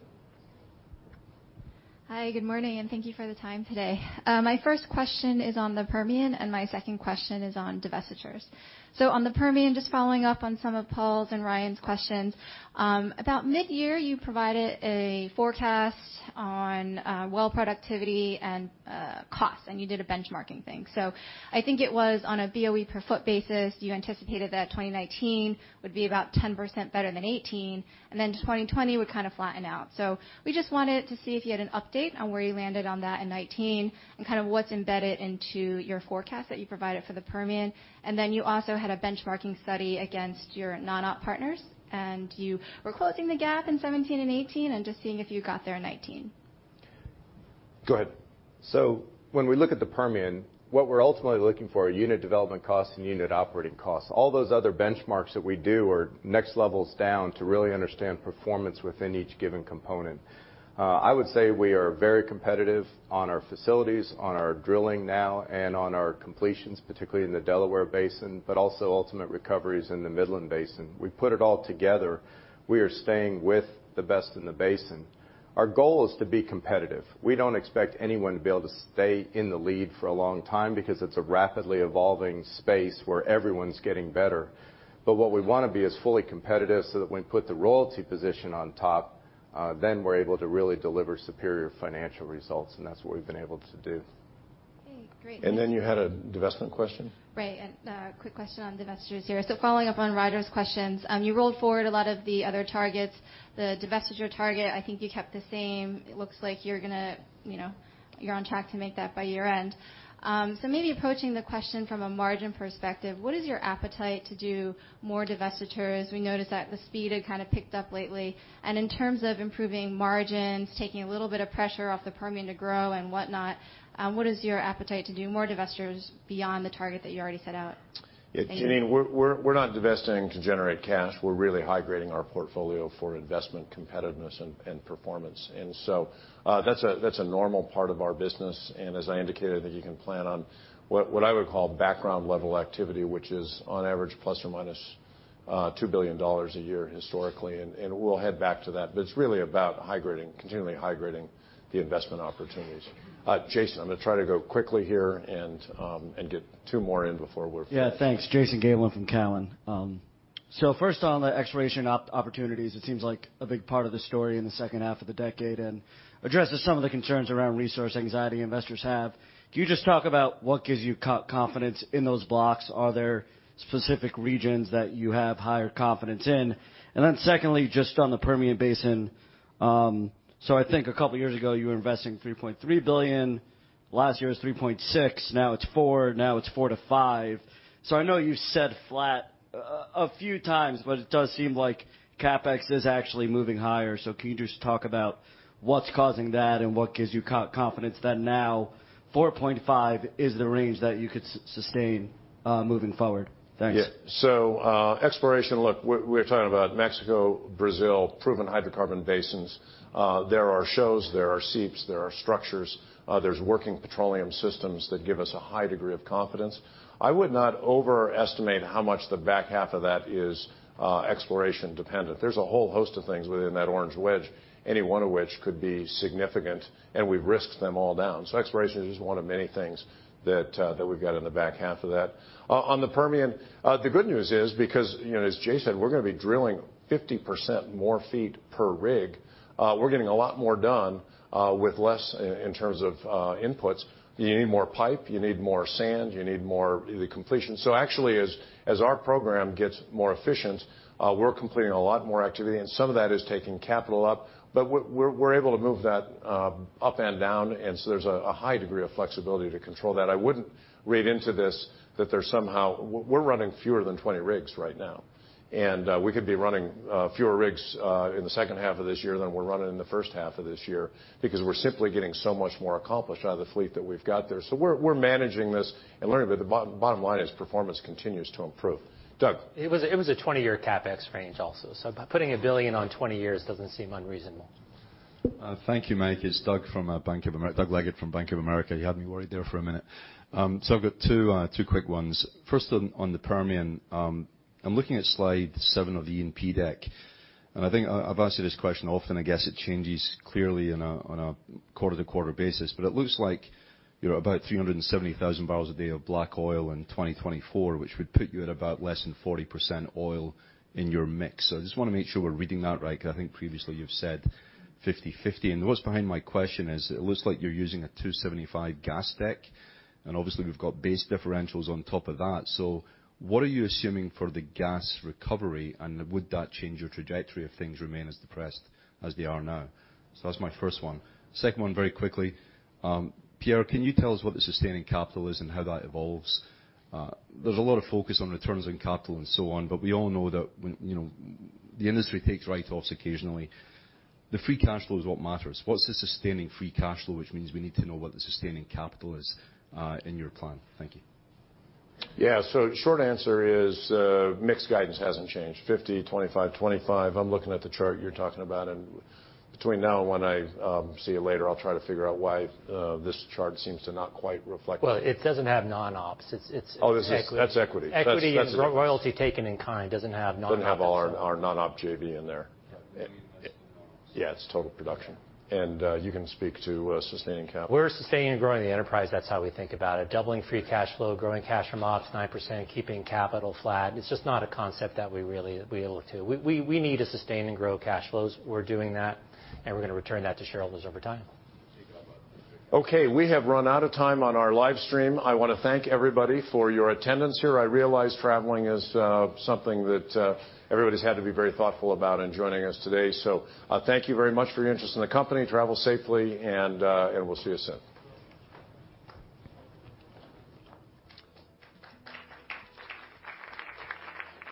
Hi, good morning, and thank you for the time today. My first question is on the Permian, and my second question is on divestitures. On the Permian, just following up on some of Paul's and Ryan's questions. About mid-year, you provided a forecast on well productivity and costs, and you did a benchmarking thing. I think it was on a BOE per foot basis, you anticipated that 2019 would be about 10% better than 2018, and then 2020 would kind of flatten out. We just wanted to see if you had an update on where you landed on that in 2019 and what's embedded into your forecast that you provided for the Permian. Then you also had a benchmarking study against your non-op partners, and you were closing the gap in 2017 and 2018, and just seeing if you got there in 2019. Go ahead. When we look at the Permian, what we're ultimately looking for are unit development costs and unit operating costs. All those other benchmarks that we do are next levels down to really understand performance within each given component. I would say we are very competitive on our facilities, on our drilling now, and on our completions, particularly in the Delaware Basin, but also ultimate recoveries in the Midland Basin. We put it all together. We are staying with the best in the basin. Our goal is to be competitive. We don't expect anyone to be able to stay in the lead for a long time because it's a rapidly evolving space where everyone's getting better. What we want to be is fully competitive so that when we put the royalty position on top, then we're able to really deliver superior financial results, and that's what we've been able to do. Okay, great. You had a divestment question? Right. A quick question on divestitures here. Following up on Ryan's questions, you rolled forward a lot of the other targets. The divestiture target, I think you kept the same. It looks like you're on track to make that by year-end. Maybe approaching the question from a margin perspective, what is your appetite to do more divestitures? We noticed that the speed had kind of picked up lately. In terms of improving margins, taking a little bit of pressure off the Permian to grow and whatnot, what is your appetite to do more divestitures beyond the target that you already set out? Thank you. Yeah, Jeanine, we're not divesting to generate cash. We're really high-grading our portfolio for investment competitiveness and performance. That's a normal part of our business, and as I indicated, that you can plan on what I would call background-level activity, which is on average, plus or minus $2 billion a year historically, and we'll head back to that. It's really about continually high-grading the investment opportunities. Jason, I'm going to try to go quickly here and get two more in before we're finished. Yeah, thanks. Jason Gabelman from Cowen. First on the exploration op opportunities, it seems like a big part of the story in the second half of the decade, and addresses some of the concerns around resource anxiety investors have. Can you just talk about what gives you confidence in those blocks? Are there specific regions that you have higher confidence in? Secondly, just on the Permian Basin. I think a couple of years ago, you were investing $3.3 billion. Last year was $3.6 billion. Now it's $4 billion. Now it's $4 billion-$5 billion. I know you said flat a few times, but it does seem like CapEx is actually moving higher. Can you just talk about what's causing that and what gives you confidence that now $4.5 billion is the range that you could sustain, moving forward? Thanks. Yeah. Exploration, look, we're talking about Mexico, Brazil, proven hydrocarbon basins. There are shows, there are seeps, there are structures. There's working petroleum systems that give us a high degree of confidence. I would not overestimate how much the back half of that is exploration dependent. There's a whole host of things within that orange wedge, any one of which could be significant, and we've risked them all down. Exploration is just one of many things that we've got in the back half of that. On the Permian, the good news is, because as Jay said, we're going to be drilling 50% more feet per rig. We're getting a lot more done with less in terms of inputs. You need more pipe. You need more sand. You need more completion. Actually, as our program gets more efficient, we're completing a lot more activity, and some of that is taking capital up. We're able to move that up and down. There's a high degree of flexibility to control that. I wouldn't read into this that there's somehow we're running fewer than 20 rigs right now. We could be running fewer rigs in the second half of this year than we're running in the first half of this year because we're simply getting so much more accomplished out of the fleet that we've got there. We're managing this and learning. The bottom line is performance continues to improve. Doug. It was a 20-year CapEx range also. Putting $1 billion on 20 years doesn't seem unreasonable. Thank you, Mike. It's Doug Leggate from Bank of America. You had me worried there for a minute. I've got two quick ones. First on the Permian. I'm looking at slide seven of the E&P deck. I think I've asked you this question often. I guess it changes clearly on a quarter-to-quarter basis, but it looks like you're about 370,000 barrels a day of black oil in 2024, which would put you at about less than 40% oil in your mix. I just want to make sure we're reading that right because I think previously you've said 50/50. What's behind my question is, it looks like you're using a $2.75 gas deck, and obviously we've got base differentials on top of that. What are you assuming for the gas recovery, and would that change your trajectory if things remain as depressed as they are now? That's my first one. Second one, very quickly. Pierre, can you tell us what the sustaining capital is and how that evolves? There's a lot of focus on returns on capital and so on, we all know that the industry takes write-offs occasionally. The free cash flow is what matters. What's the sustaining free cash flow? Which means we need to know what the sustaining capital is in your plan. Thank you. Yeah, short answer is mixed guidance hasn't changed. 50, 25. I'm looking at the chart you're talking about. Between now and when I see you later, I'll try to figure out why this chart seems to not quite reflect. Well, it doesn't have non-ops. It's equity. Oh, that's equity. Equity and royalty taken in kind doesn't have non-ops. Doesn't have all our non-op JV in there. Yeah, it's total production. You can speak to sustaining capital. We're sustaining and growing the enterprise. That's how we think about it. Doubling free cash flow, growing cash from ops 9%, keeping capital flat. It's just not a concept that we look to. We need to sustain and grow cash flows. We're doing that, and we're going to return that to shareholders over time. We have run out of time on our live stream. I want to thank everybody for your attendance here. I realize traveling is something that everybody's had to be very thoughtful about in joining us today. Thank you very much for your interest in the company. Travel safely, and we'll see you soon.